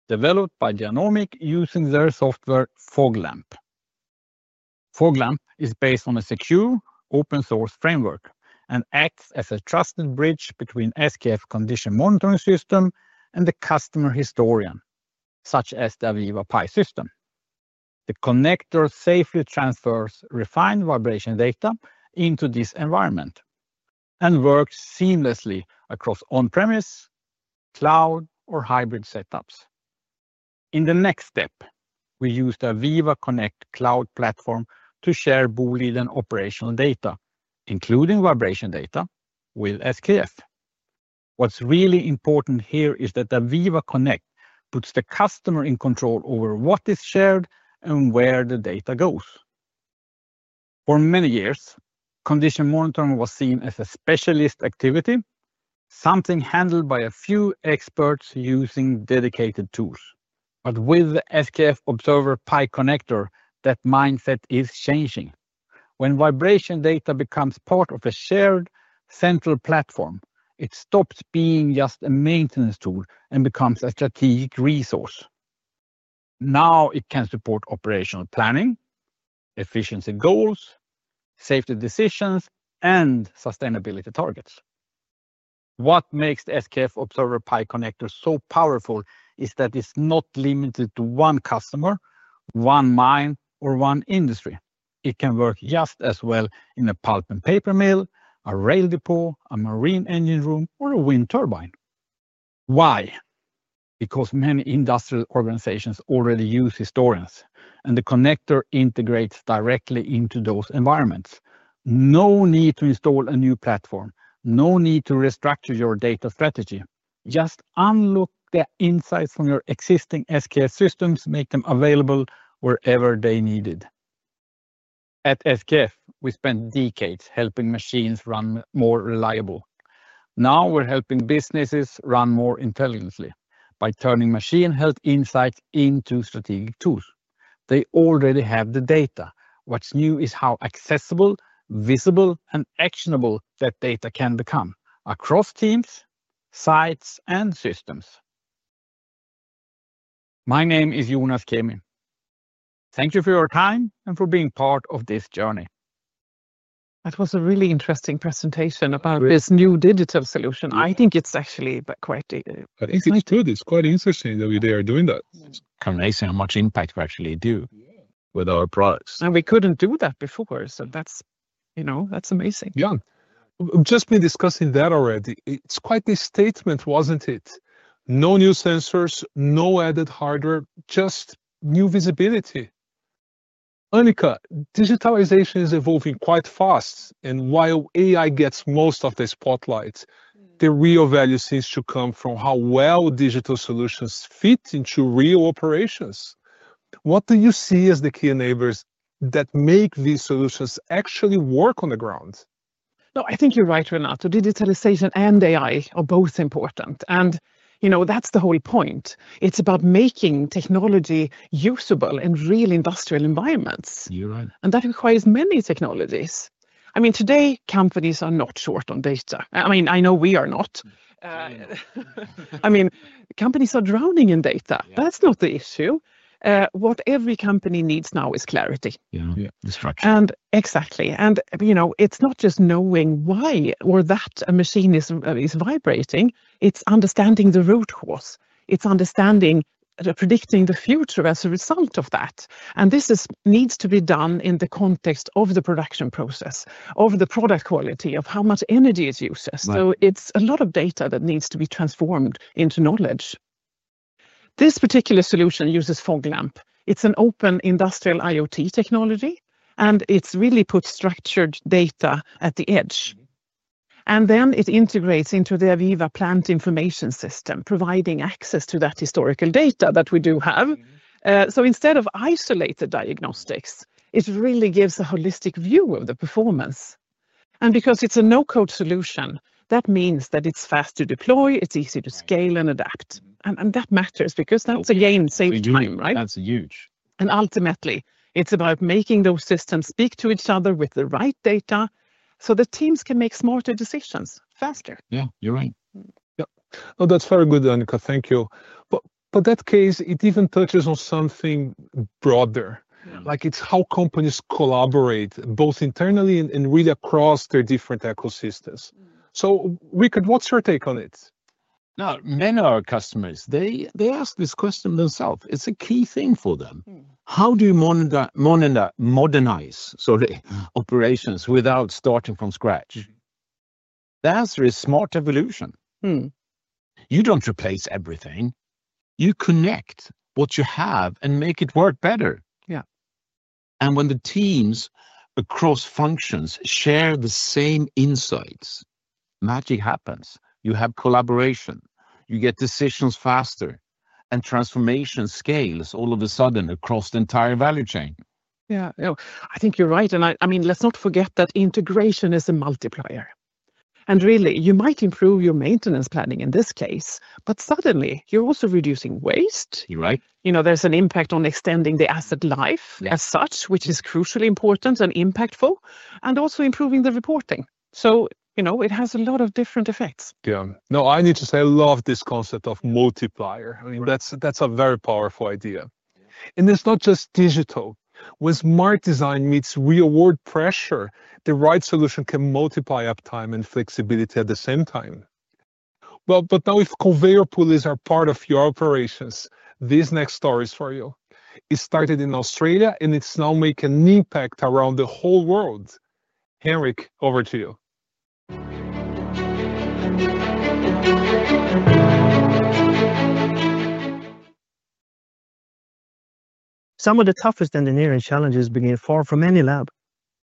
developed by Janomic using their software FogLamp. FogLamp is based on a secure, open-source framework and acts as a trusted bridge between the SKF condition monitoring system and the customer historian, such as the AVEVA Plant Information System. The connector safely transfers refined vibration data into this environment and works seamlessly across on-premise, cloud, or hybrid setups. In the next step, we use the AVEVA Connect cloud platform to share Boliden operational data, including vibration data, with SKF. What's really important here is that the AVEVA Connect puts the customer in control over what is shared and where the data goes. For many years, condition monitoring was seen as a specialist activity, something handled by a few experts using dedicated tools. With the SKF Observer Pi Connector, that mindset is changing. When vibration data becomes part of a shared central platform, it stops being just a maintenance tool and becomes a strategic resource. Now it can support operational planning, efficiency goals, safety decisions, and sustainability targets. What makes the SKF Observer Pi Connector so powerful is that it's not limited to one customer, one mine, or one industry. It can work just as well in a pulp and paper mill, a rail depot, a marine engine room, or a wind turbine. Why? Because many industrial organizations already use historians, and the connector integrates directly into those environments. No need to install a new platform. No need to restructure your data strategy. Just unlock the insights from your existing SKF systems, make them available wherever they're needed. At SKF, we spent decades helping machines run more reliably. Now we're helping businesses run more intelligently by turning machine health insights into strategic tools. They already have the data. What's new is how accessible, visible, and actionable that data can become across teams, sites, and systems. My name is Jonas Kämme. Thank you for your time and for being part of this journey. That was a really interesting presentation about this new digital solution. I think it's actually quite. It's true. It's quite interesting the way they are doing that. It's amazing how much impact we actually do with our products. We couldn't do that before, so that's amazing. Yeah. Just been discussing that already. It's quite a statement, wasn't it? No new sensors, no added hardware, just new visibility. Annika, digitalization is evolving quite fast. While AI gets most of the spotlight, the real value seems to come from how well digital solutions fit into real operations. What do you see as the key enablers that make these solutions actually work on the ground? No, I think you're right, Renato. Digitalization and artificial intelligence are both important. That's the whole point. It's about making technology usable in real industrial environments. You're right. That requires many technologies. Today companies are not short on data. I know we are not. Companies are drowning in data. That's not the issue. What every company needs now is clarity. Yeah, the structure. Exactly, you know, it's not just knowing why or that a machine is vibrating. It's understanding the root cause. It's understanding predicting the future as a result of that. This needs to be done in the context of the production process, the product quality, and how much energy it uses. It's a lot of data that needs to be transformed into knowledge. This particular solution uses FogLamp. It's an open industrial IoT technology, and it really puts structured data at the edge. It integrates into the AVEVA Plant Information System, providing access to that historical data that we do have. Instead of isolated diagnostics, it really gives a holistic view of the performance. Because it's a no-code solution, that means that it's fast to deploy, easy to scale and adapt. That matters because that's, again, saving time, right? That's huge. Ultimately, it's about making those systems speak to each other with the right data so that teams can make smarter decisions faster. Yeah, you're right. Yeah, no, that's very good, Annika. Thank you. That case even touches on something broader. It's how companies collaborate, both internally and really across their different ecosystems. Rickard, what's your take on it? Now, many of our customers, they ask this question themselves. It's a key thing for them. How do you modernize operations without starting from scratch? The answer is smart evolution. You don't replace everything. You connect what you have and make it work better. Yeah. When the teams across functions share the same insights, magic happens. You have collaboration, you get decisions faster, and transformation scales all of a sudden across the entire value chain. Yeah, I think you're right. I mean, let's not forget that integration is a multiplier. You might improve your maintenance planning in this case, but suddenly, you're also reducing waste. You're right. You know, there's an impact on extending the asset life as such, which is crucially important and impactful, and also improving the reporting. It has a lot of different effects. Yeah. No, I need to say I love this concept of multiplier. I mean, that's a very powerful idea. It's not just digital. When smart design meets real-world pressure, the right solution can multiply uptime and flexibility at the same time. If conveyor pulleys are part of your operations, this next story is for you. It started in Australia, and it's now making an impact around the whole world. Henrik, over to you. Some of the toughest engineering challenges begin far from any lab.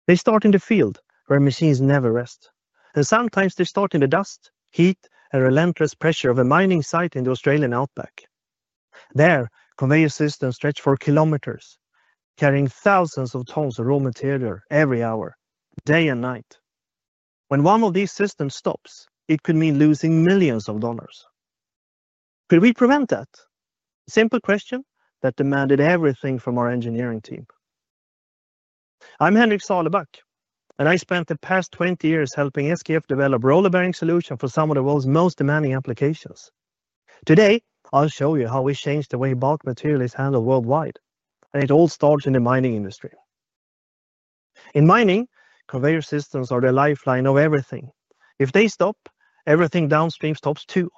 They start in the field, where machines never rest. Sometimes they start in the dust, heat, and relentless pressure of a mining site in the Australian Outback. There, conveyor systems stretch for kilometers, carrying thousands of tons of raw material every hour, day and night. When one of these systems stops, it could mean losing millions of dollars. Could we prevent that? Simple question that demanded everything from our engineering team. I'm Henrik Sahlbeck, and I spent the past 20 years helping SKF develop a roller-bearing solution for some of the world's most demanding applications. Today, I'll show you how we changed the way bulk material is handled worldwide, and it all starts in the mining industry. In mining, conveyor systems are the lifeline of everything. If they stop, everything downstream stops too: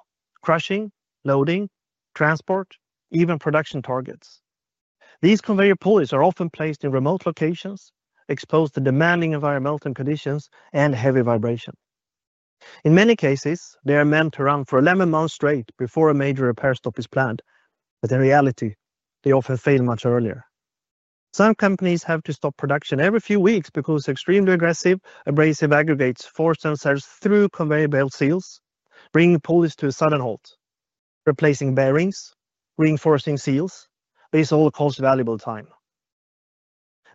crushing, loading, transport, even production targets. These conveyor pulleys are often placed in remote locations, exposed to demanding environmental conditions and heavy vibration. In many cases, they are meant to run for 11 months straight before a major repair stop is planned, but in reality, they often fail much earlier. Some companies have to stop production every few weeks because extremely aggressive, abrasive aggregates force themselves through conveyor belt seals, bringing pulleys to a sudden halt, replacing bearings, reinforcing seals. This all costs valuable time.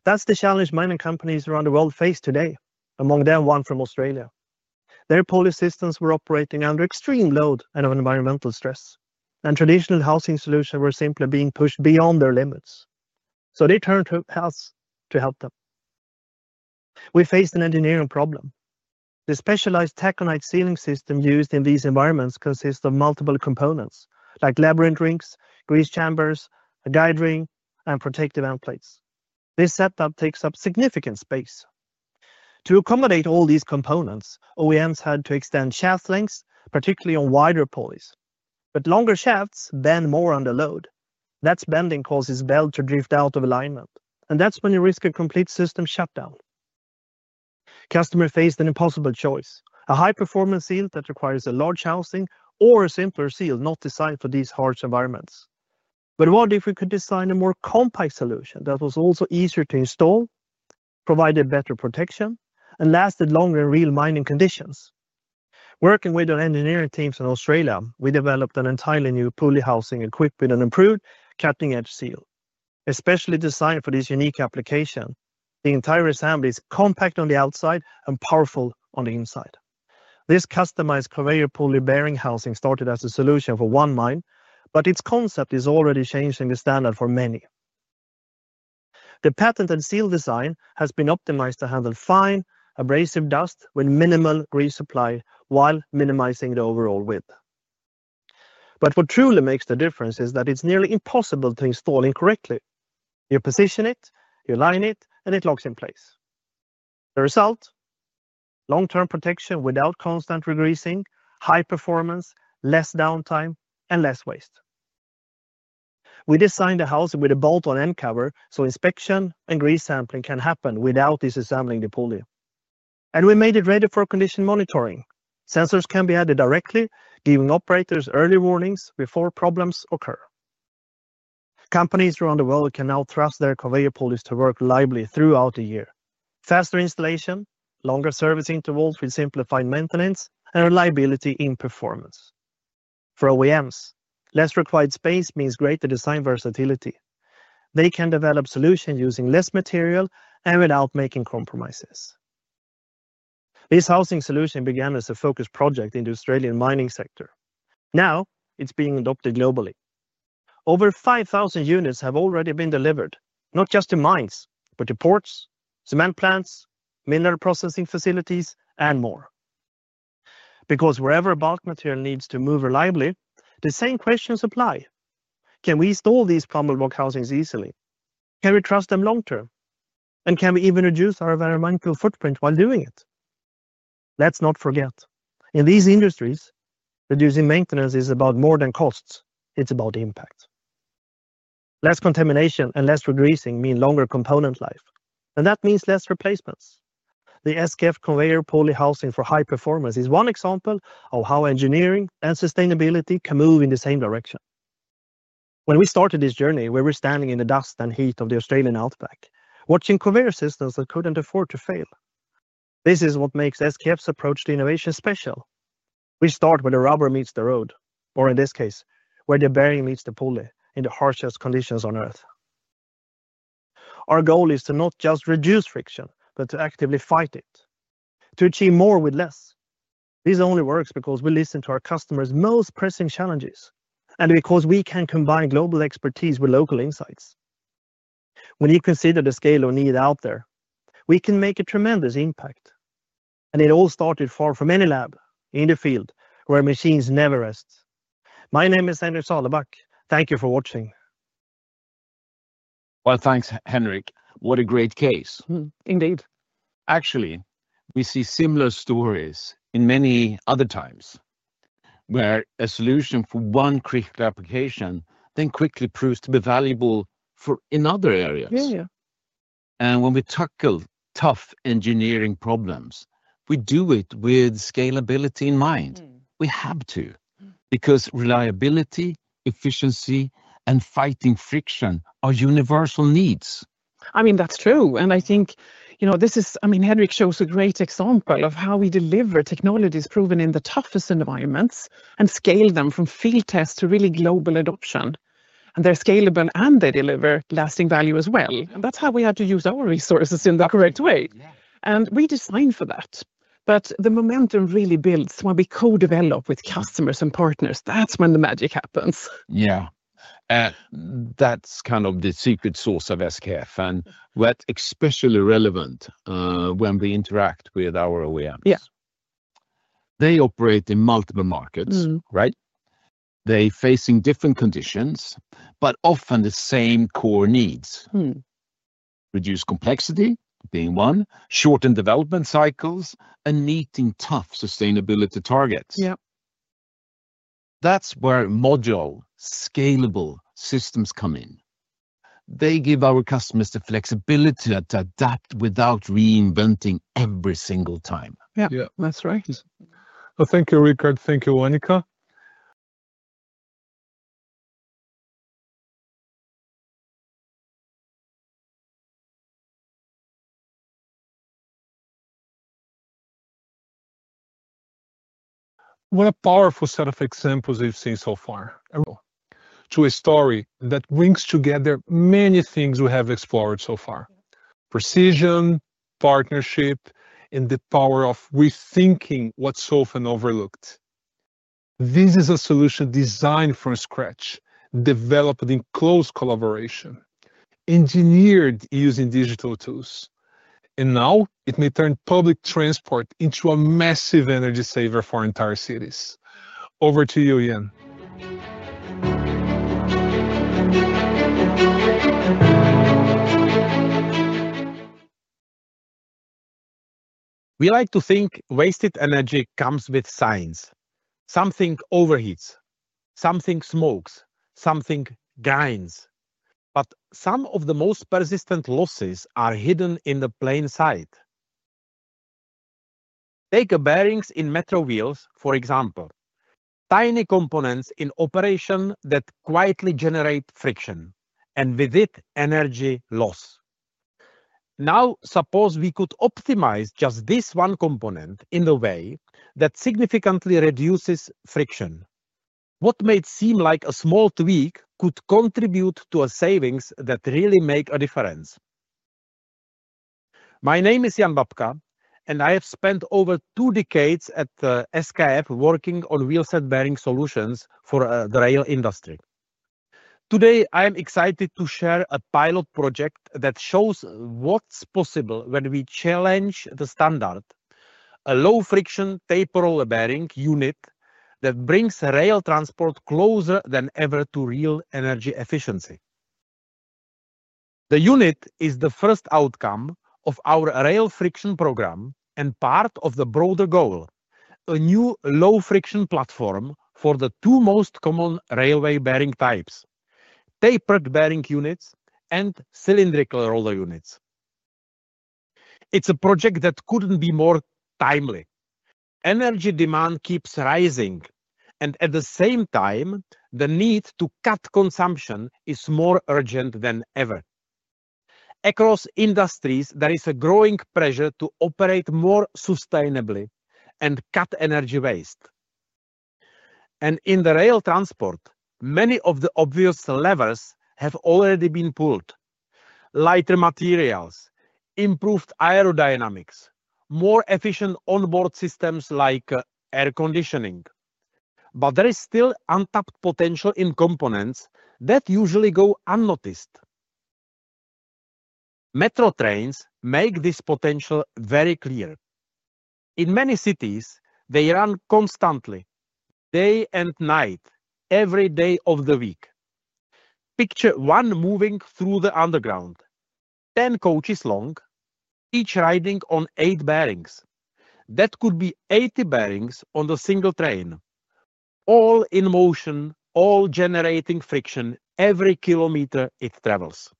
That's the challenge mining companies around the world face today, among them one from Australia. Their pulley systems were operating under extreme load and environmental stress, and traditional housing solutions were simply being pushed beyond their limits. They turned to us to help them. We faced an engineering problem. The specialized Techonite sealing system used in these environments consists of multiple components like labyrinth rings, grease chambers, a guide ring, and protective end plates. This setup takes up significant space. To accommodate all these components, OEMs had to extend shaft lengths, particularly on wider pulleys. Longer shafts bend more under load. That bending causes belt to drift out of alignment, and that's when you risk a complete system shutdown. Customers faced an impossible choice: a high-performance seal that requires a large housing or a simpler seal not designed for these harsh environments. What if we could design a more compact solution that was also easier to install, provided better protection, and lasted longer in real mining conditions? Working with our engineering teams in Australia, we developed an entirely new pulley housing equipped with an improved cutting-edge seal, especially designed for this unique application. The entire assembly is compact on the outside and powerful on the inside. This customized conveyor pulley bearing housing started as a solution for one mine, but its concept is already changing the standard for many. The patented seal design has been optimized to handle fine, abrasive dust with minimal grease supply while minimizing the overall width. What truly makes the difference is that it's nearly impossible to install incorrectly. You position it, you line it, and it locks in place. The result? Long-term protection without constant regreasing, high performance, less downtime, and less waste. We designed the housing with a bolt-on end cover so inspection and grease sampling can happen without disassembling the pulley. We made it ready for condition monitoring. Sensors can be added directly, giving operators early warnings before problems occur. Companies around the world can now trust their conveyor pulleys to work reliably throughout the year. Faster installation and longer service intervals will simplify maintenance and reliability in performance. For OEMs, less required space means greater design versatility. They can develop solutions using less material and without making compromises. This housing solution began as a focus project in the Australian mining sector. Now, it's being adopted globally. Over 5,000 units have already been delivered, not just to mines, but to ports, cement plants, mineral processing facilities, and more. Wherever bulk material needs to move reliably, the same questions apply. Can we install these pummeled rock housings easily? Can we trust them long-term? Can we even reduce our environmental footprint while doing it? In these industries, reducing maintenance is about more than costs. It's about impact. Less contamination and less regreasing mean longer component life. That means less replacements. The SKF conveyor pulley housing for high performance is one example of how engineering and sustainability can move in the same direction. When we started this journey, we were standing in the dust and heat of the Australian Outback, watching conveyor systems that couldn't afford to fail. This is what makes SKF's approach to innovation special. We start where the rubber meets the road, or in this case, where the bearing meets the pulley in the harshest conditions on Earth. Our goal is to not just reduce friction, but to actively fight it, to achieve more with less. This only works because we listen to our customers' most pressing challenges and because we can combine global expertise with local insights. When you consider the scale of need out there, we can make a tremendous impact. It all started far from any lab, in the field, where machines never rest. My name is Henrik Sahlbeck. Thank you for watching. Thanks, Henrik. What a great case. Indeed. Actually, we see similar stories in many other times, where a solution for one critical application then quickly proves to be valuable in other areas. Yeah, yeah. When we tackle tough engineering problems, we do it with scalability in mind. We have to, because reliability, efficiency, and fighting friction are universal needs. That's true. I think this is, Henrik shows a great example of how we deliver technologies proven in the toughest environments and scale them from field tests to really global adoption. They're scalable and they deliver lasting value as well. That's how we had to use our resources in the correct way. We designed for that. The momentum really builds when we co-develop with customers and partners. That's when the magic happens. Yeah. That's kind of the secret sauce of SKF, which is especially relevant when we interact with our OEMs. Yeah. They operate in multiple markets, right? They're facing different conditions, but often the same core needs: reduce complexity, shorten development cycles, and meeting tough sustainability targets. Yeah. That's where modular, scalable solutions come in. They give our customers the flexibility to adapt without reinventing every single time. Yeah. That's right. Thank you, Rickard. Thank you, Annika. What a powerful set of examples we've seen so far. To a story that brings together many things we have explored so far: precision, partnership, and the power of rethinking what's often overlooked. This is a solution designed from scratch, developed in close collaboration, engineered using digital tools. It may turn public transport into a massive energy saver for entire cities. Over to you, Jan. We like to think wasted energy comes with science. Something overheats, something smokes, something grinds. Some of the most persistent losses are hidden in plain sight. Take bearings in metro wheels, for example. Tiny components in operation quietly generate friction, and with it, energy loss. Now, suppose we could optimize just this one component in a way that significantly reduces friction. What may seem like a small tweak could contribute to savings that really make a difference. My name is Jan Babka, and I have spent over two decades at SKF working on wheelset bearing solutions for the rail industry. Today, I'm excited to share a pilot project that shows what's possible when we challenge the standard: a low-friction taper roller bearing unit that brings rail transport closer than ever to real energy efficiency. The unit is the first outcome of our rail friction program and part of the broader goal: a new low-friction platform for the two most common railway bearing types, tapered bearing units and cylindrical roller units. It's a project that couldn't be more timely. Energy demand keeps rising, and at the same time, the need to cut consumption is more urgent than ever. Across industries, there is a growing pressure to operate more sustainably and cut energy waste. In rail transport, many of the obvious levers have already been pulled: lighter materials, improved aerodynamics, more efficient onboard systems like air conditioning. There is still untapped potential in components that usually go unnoticed. Metro trains make this potential very clear. In many cities, they run constantly, day and night, every day of the week. Picture one moving through the underground, 10 coaches long, each riding on eight bearings. That could be 80 bearings on a single train, all in motion, all generating friction every kilometer it travels.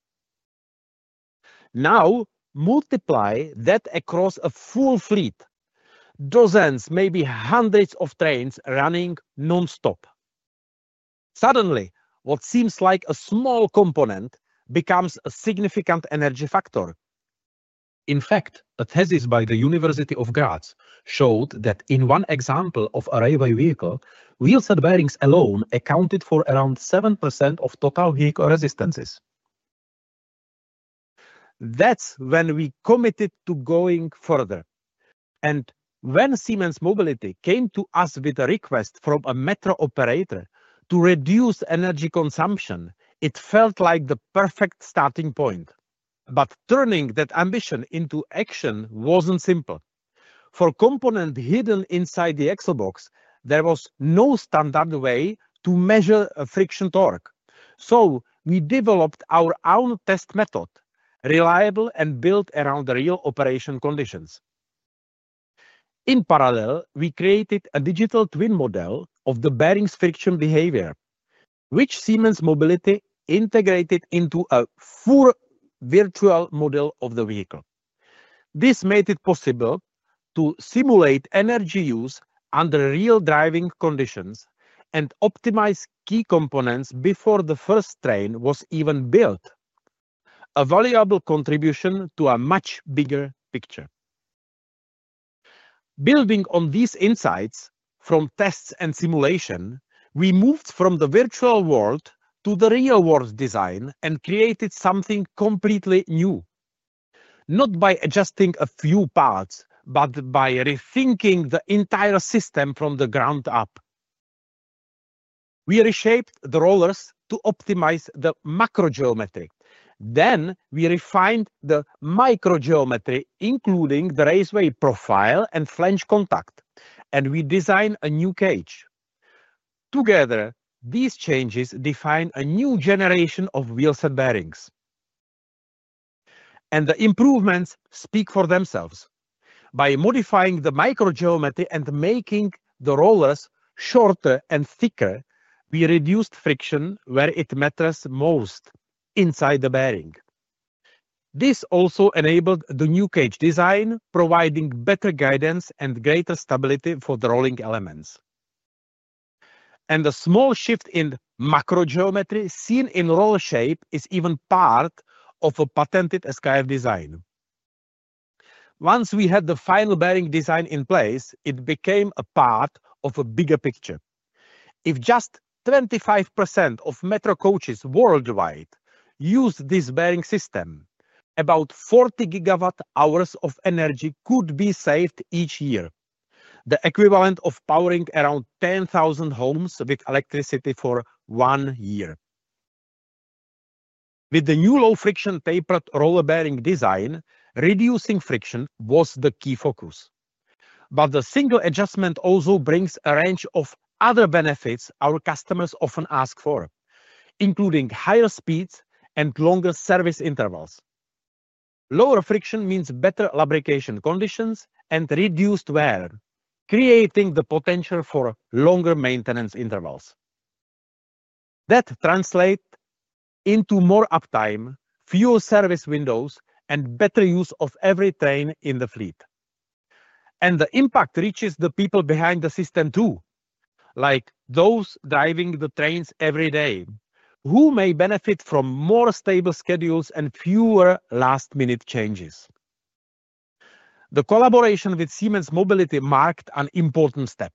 Multiply that across a full fleet, dozens, maybe hundreds of trains running nonstop. Suddenly, what seems like a small component becomes a significant energy factor. In fact, a thesis by the University of Graz showed that in one example of a railway vehicle, wheelset bearings alone accounted for around 7% of total vehicle resistances. That's when we committed to going further. When Siemens Mobility came to us with a request from a metro operator to reduce energy consumption, it felt like the perfect starting point. Turning that ambition into action wasn't simple. For components hidden inside the axle box, there was no standard way to measure a friction torque. We developed our own test method, reliable and built around the real operation conditions. In parallel, we created a digital twin model of the bearings' friction behavior, which Siemens Mobility integrated into a full virtual model of the vehicle. This made it possible to simulate energy use under real driving conditions and optimize key components before the first train was even built, a valuable contribution to a much bigger picture. Building on these insights from tests and simulation, we moved from the virtual world to the real world design and created something completely new, not by adjusting a few parts, but by rethinking the entire system from the ground up. We reshaped the rollers to optimize the macro geometry. We refined the micro geometry, including the railway profile and flange contact, and we designed a new cage. Together, these changes define a new generation of wheelset bearings. The improvements speak for themselves. By modifying the micro geometry and making the rollers shorter and thicker, we reduced friction where it matters most: inside the bearing. This also enabled the new cage design, providing better guidance and greater stability for the rolling elements. The small shift in macro geometry seen in roll shape is even part of a patented SKF design. Once we had the final bearing design in place, it became a part of a bigger picture. If just 25% of metro coaches worldwide use this bearing system, about 40 gigawatt-hours of energy could be saved each year, the equivalent of powering around 10,000 homes with electricity for one year. With the new low-friction tapered roller bearing design, reducing friction was the key focus. The single adjustment also brings a range of other benefits our customers often ask for, including higher speeds and longer service intervals. Lower friction means better lubrication conditions and reduced wear, creating the potential for longer maintenance intervals. That translates into more uptime, fewer service windows, and better use of every train in the fleet. The impact reaches the people behind the system too. Like Those driving the trains every day, who may benefit from more stable schedules and fewer last-minute changes? The collaboration with Siemens Mobility marked an important step,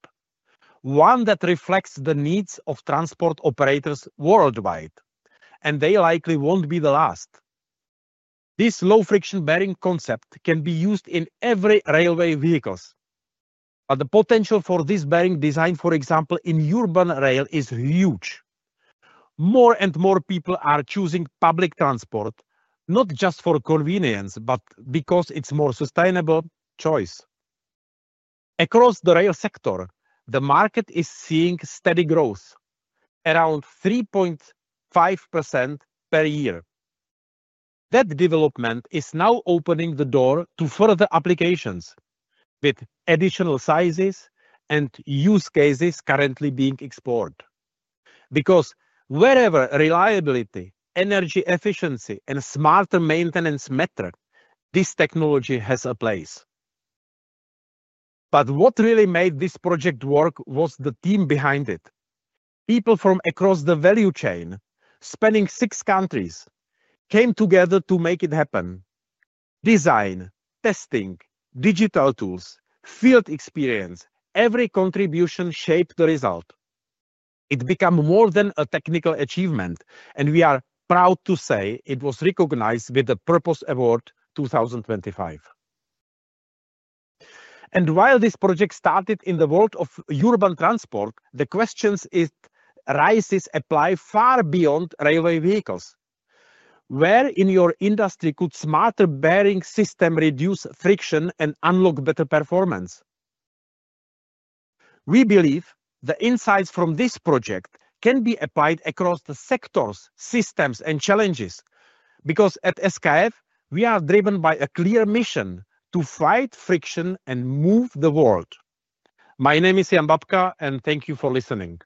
one that reflects the needs of transport operators worldwide, and they likely won't be the last. This low-friction bearing concept can be used in every railway vehicle, but the potential for this bearing design, for example, in urban rail, is huge. More and more people are choosing public transport, not just for convenience, but because it's a more sustainable choice. Across the rail sector, the market is seeing steady growth, around 3.5% per year. That development is now opening the door to further applications, with additional sizes and use cases currently being explored. Wherever reliability, energy efficiency, and smarter maintenance matter, this technology has a place. What really made this project work was the team behind it. People from across the value chain, spanning six countries, came together to make it happen. Design, testing, digital tools, field experience, every contribution shaped the result. It became more than a technical achievement, and we are proud to say it was recognized with the Purpose Award 2025. While this project started in the world of urban transport, the questions it raises apply far beyond railway vehicles. Where in your industry could a smarter bearing system reduce friction and unlock better performance? We believe the insights from this project can be applied across the sectors, systems, and challenges. At SKF, we are driven by a clear mission: to fight friction and move the world. My name is Jan Babka, and thank you for listening.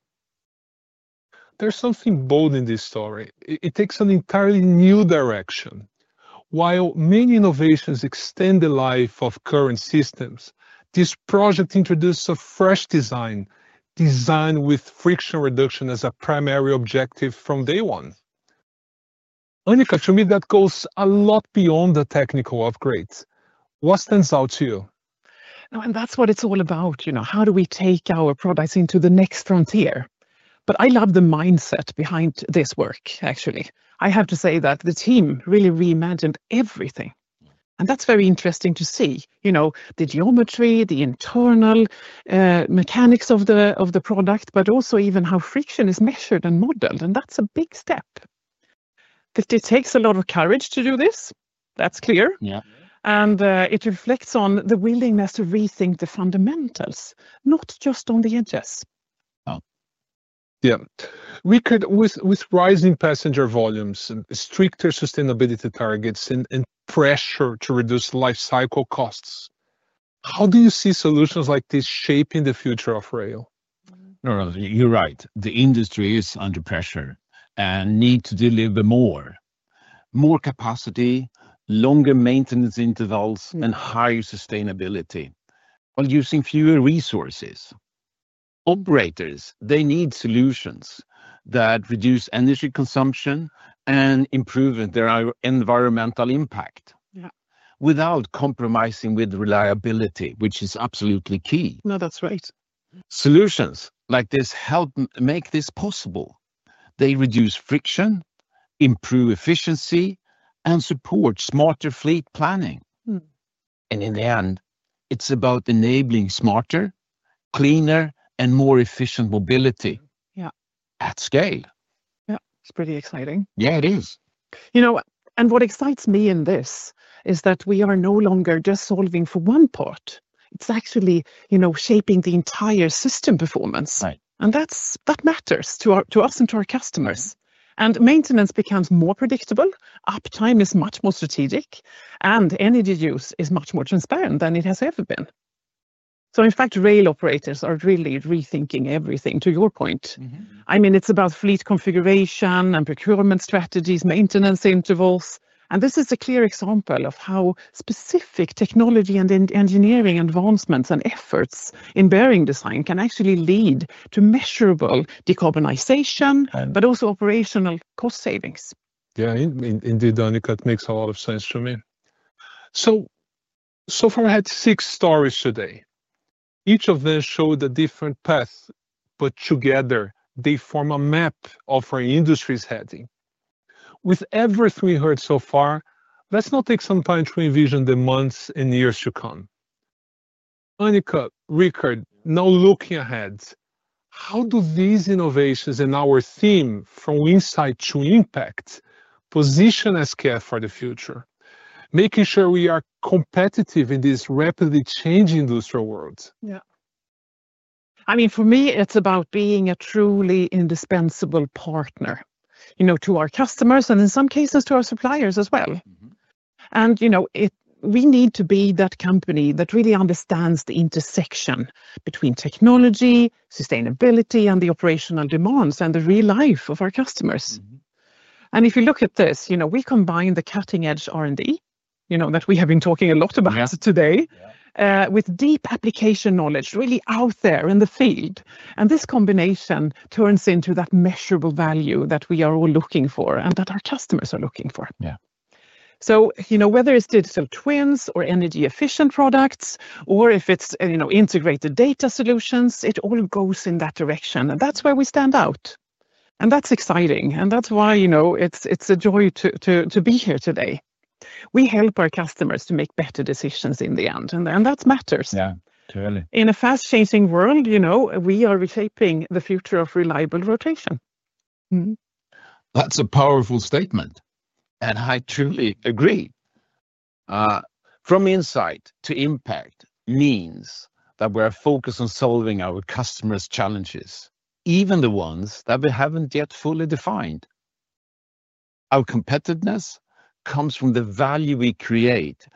There's something bold in this story. It takes an entirely new direction. While many innovations extend the life of current systems, this project introduces a fresh design, designed with friction reduction as a primary objective from day one. Annika, to me, that goes a lot beyond the technical upgrades. What stands out to you? That's what it's all about. You know, how do we take our products into the next frontier? I love the mindset behind this work, actually. I have to say that the team really reimagined everything, and that's very interesting to see. You know, the geometry, the internal mechanics of the product, but also even how friction is measured and modeled. That's a big step. It takes a lot of courage to do this, that's clear, and it reflects on the willingness to rethink the fundamentals, not just on the edges. Yeah. With rising passenger volumes, stricter sustainability targets, and pressure to reduce lifecycle costs, how do you see solutions like this shaping the future of rail? You're right. The industry is under pressure and needs to deliver more: more capacity, longer maintenance intervals, and higher sustainability, while using fewer resources. Operators need solutions that reduce energy consumption and improve their environmental impact, without compromising with reliability, which is absolutely key. No, that's right. Solutions like this help make this possible. They reduce friction, improve efficiency, and support smarter fleet planning. In the end, it's about enabling smarter, cleaner, and more efficient mobility, yeah, at scale. Yeah, it's pretty exciting. Yeah, it is. You know, what excites me in this is that we are no longer just solving for one part. It's actually shaping the entire system performance, and that matters to us and to our customers. Maintenance becomes more predictable, uptime is much more strategic, and energy use is much more transparent than it has ever been. In fact, rail operators are really rethinking everything, to your point. I mean, it's about fleet configuration and procurement strategies, maintenance intervals. This is a clear example of how specific technology and engineering advancements and efforts in bearing design can actually lead to measurable decarbonization, but also operational cost savings. Yeah, indeed, Annika, it makes a lot of sense to me. So far, I had six stories today. Each of them showed a different path, but together, they form a map of our industry's heading. With everything we heard so far, let's now take some time to envision the months and years to come. Annika, Rickard, now looking ahead, how do these innovations and our theme, from insight to impact, position SKF for the future, making sure we are competitive in this rapidly changing industrial world? Yeah. For me, it's about being a truly indispensable partner to our customers, and in some cases, to our suppliers as well. We need to be that company that really understands the intersection between technology, sustainability, and the operational demands and the real life of our customers. If you look at this, we combine the cutting-edge R&D that we have been talking a lot about today with deep application knowledge, really out there in the field. This combination turns into that measurable value that we are all looking for and that our customers are looking for. Yeah. Whether it's digital twin technology or energy-efficient products, or if it's integrated data solutions, it all goes in that direction. That's where we stand out, and that's exciting. That's why it's a joy to be here today. We help our customers to make better decisions in the end, and that matters. Yeah, clearly. In a fast-changing world, we are reshaping the future of reliable rotation. That's a powerful statement. I truly agree. From insight to impact means that we are focused on solving our customers' challenges, even the ones that we haven't yet fully defined. Our competitiveness comes from the value we create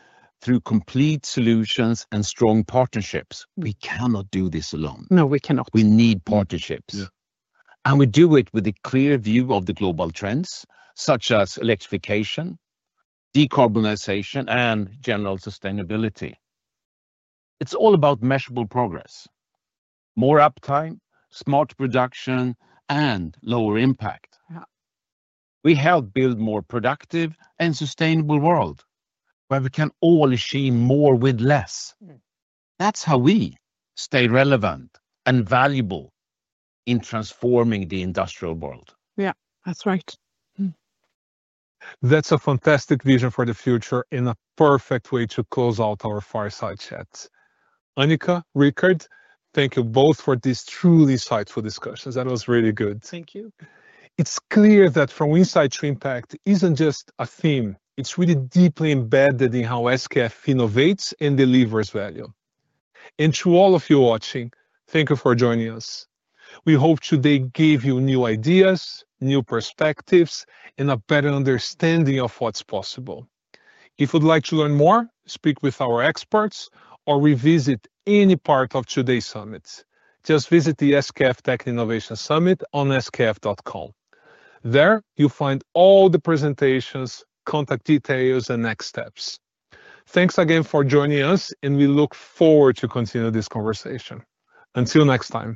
through complete solutions and strong partnerships. We cannot do this alone. No, we cannot. We need partnerships. We do it with a clear view of the global trends, such as electrification, decarbonization, and general sustainability. It's all about measurable progress: more uptime, smarter production, and lower impact. We help build a more productive and sustainable world, where we can all achieve more with less. That's how we stay relevant and valuable in transforming the industrial world. Yeah, that's right. That's a fantastic vision for the future and a perfect way to close out our fireside chats. Annika, Rickard, thank you both for these truly insightful discussions. That was really good. Thank you. It's clear that from insight to impact isn't just a theme. It's really deeply embedded in how SKF innovates and delivers value. To all of you watching, thank you for joining us. We hope today gave you new ideas, new perspectives, and a better understanding of what's possible. If you'd like to learn more, speak with our experts, or revisit any part of today's summit, just visit the SKF Tech Innovation Summit on skf.com. There you'll find all the presentations, contact details, and next steps. Thanks again for joining us, and we look forward to continuing this conversation. Until next time.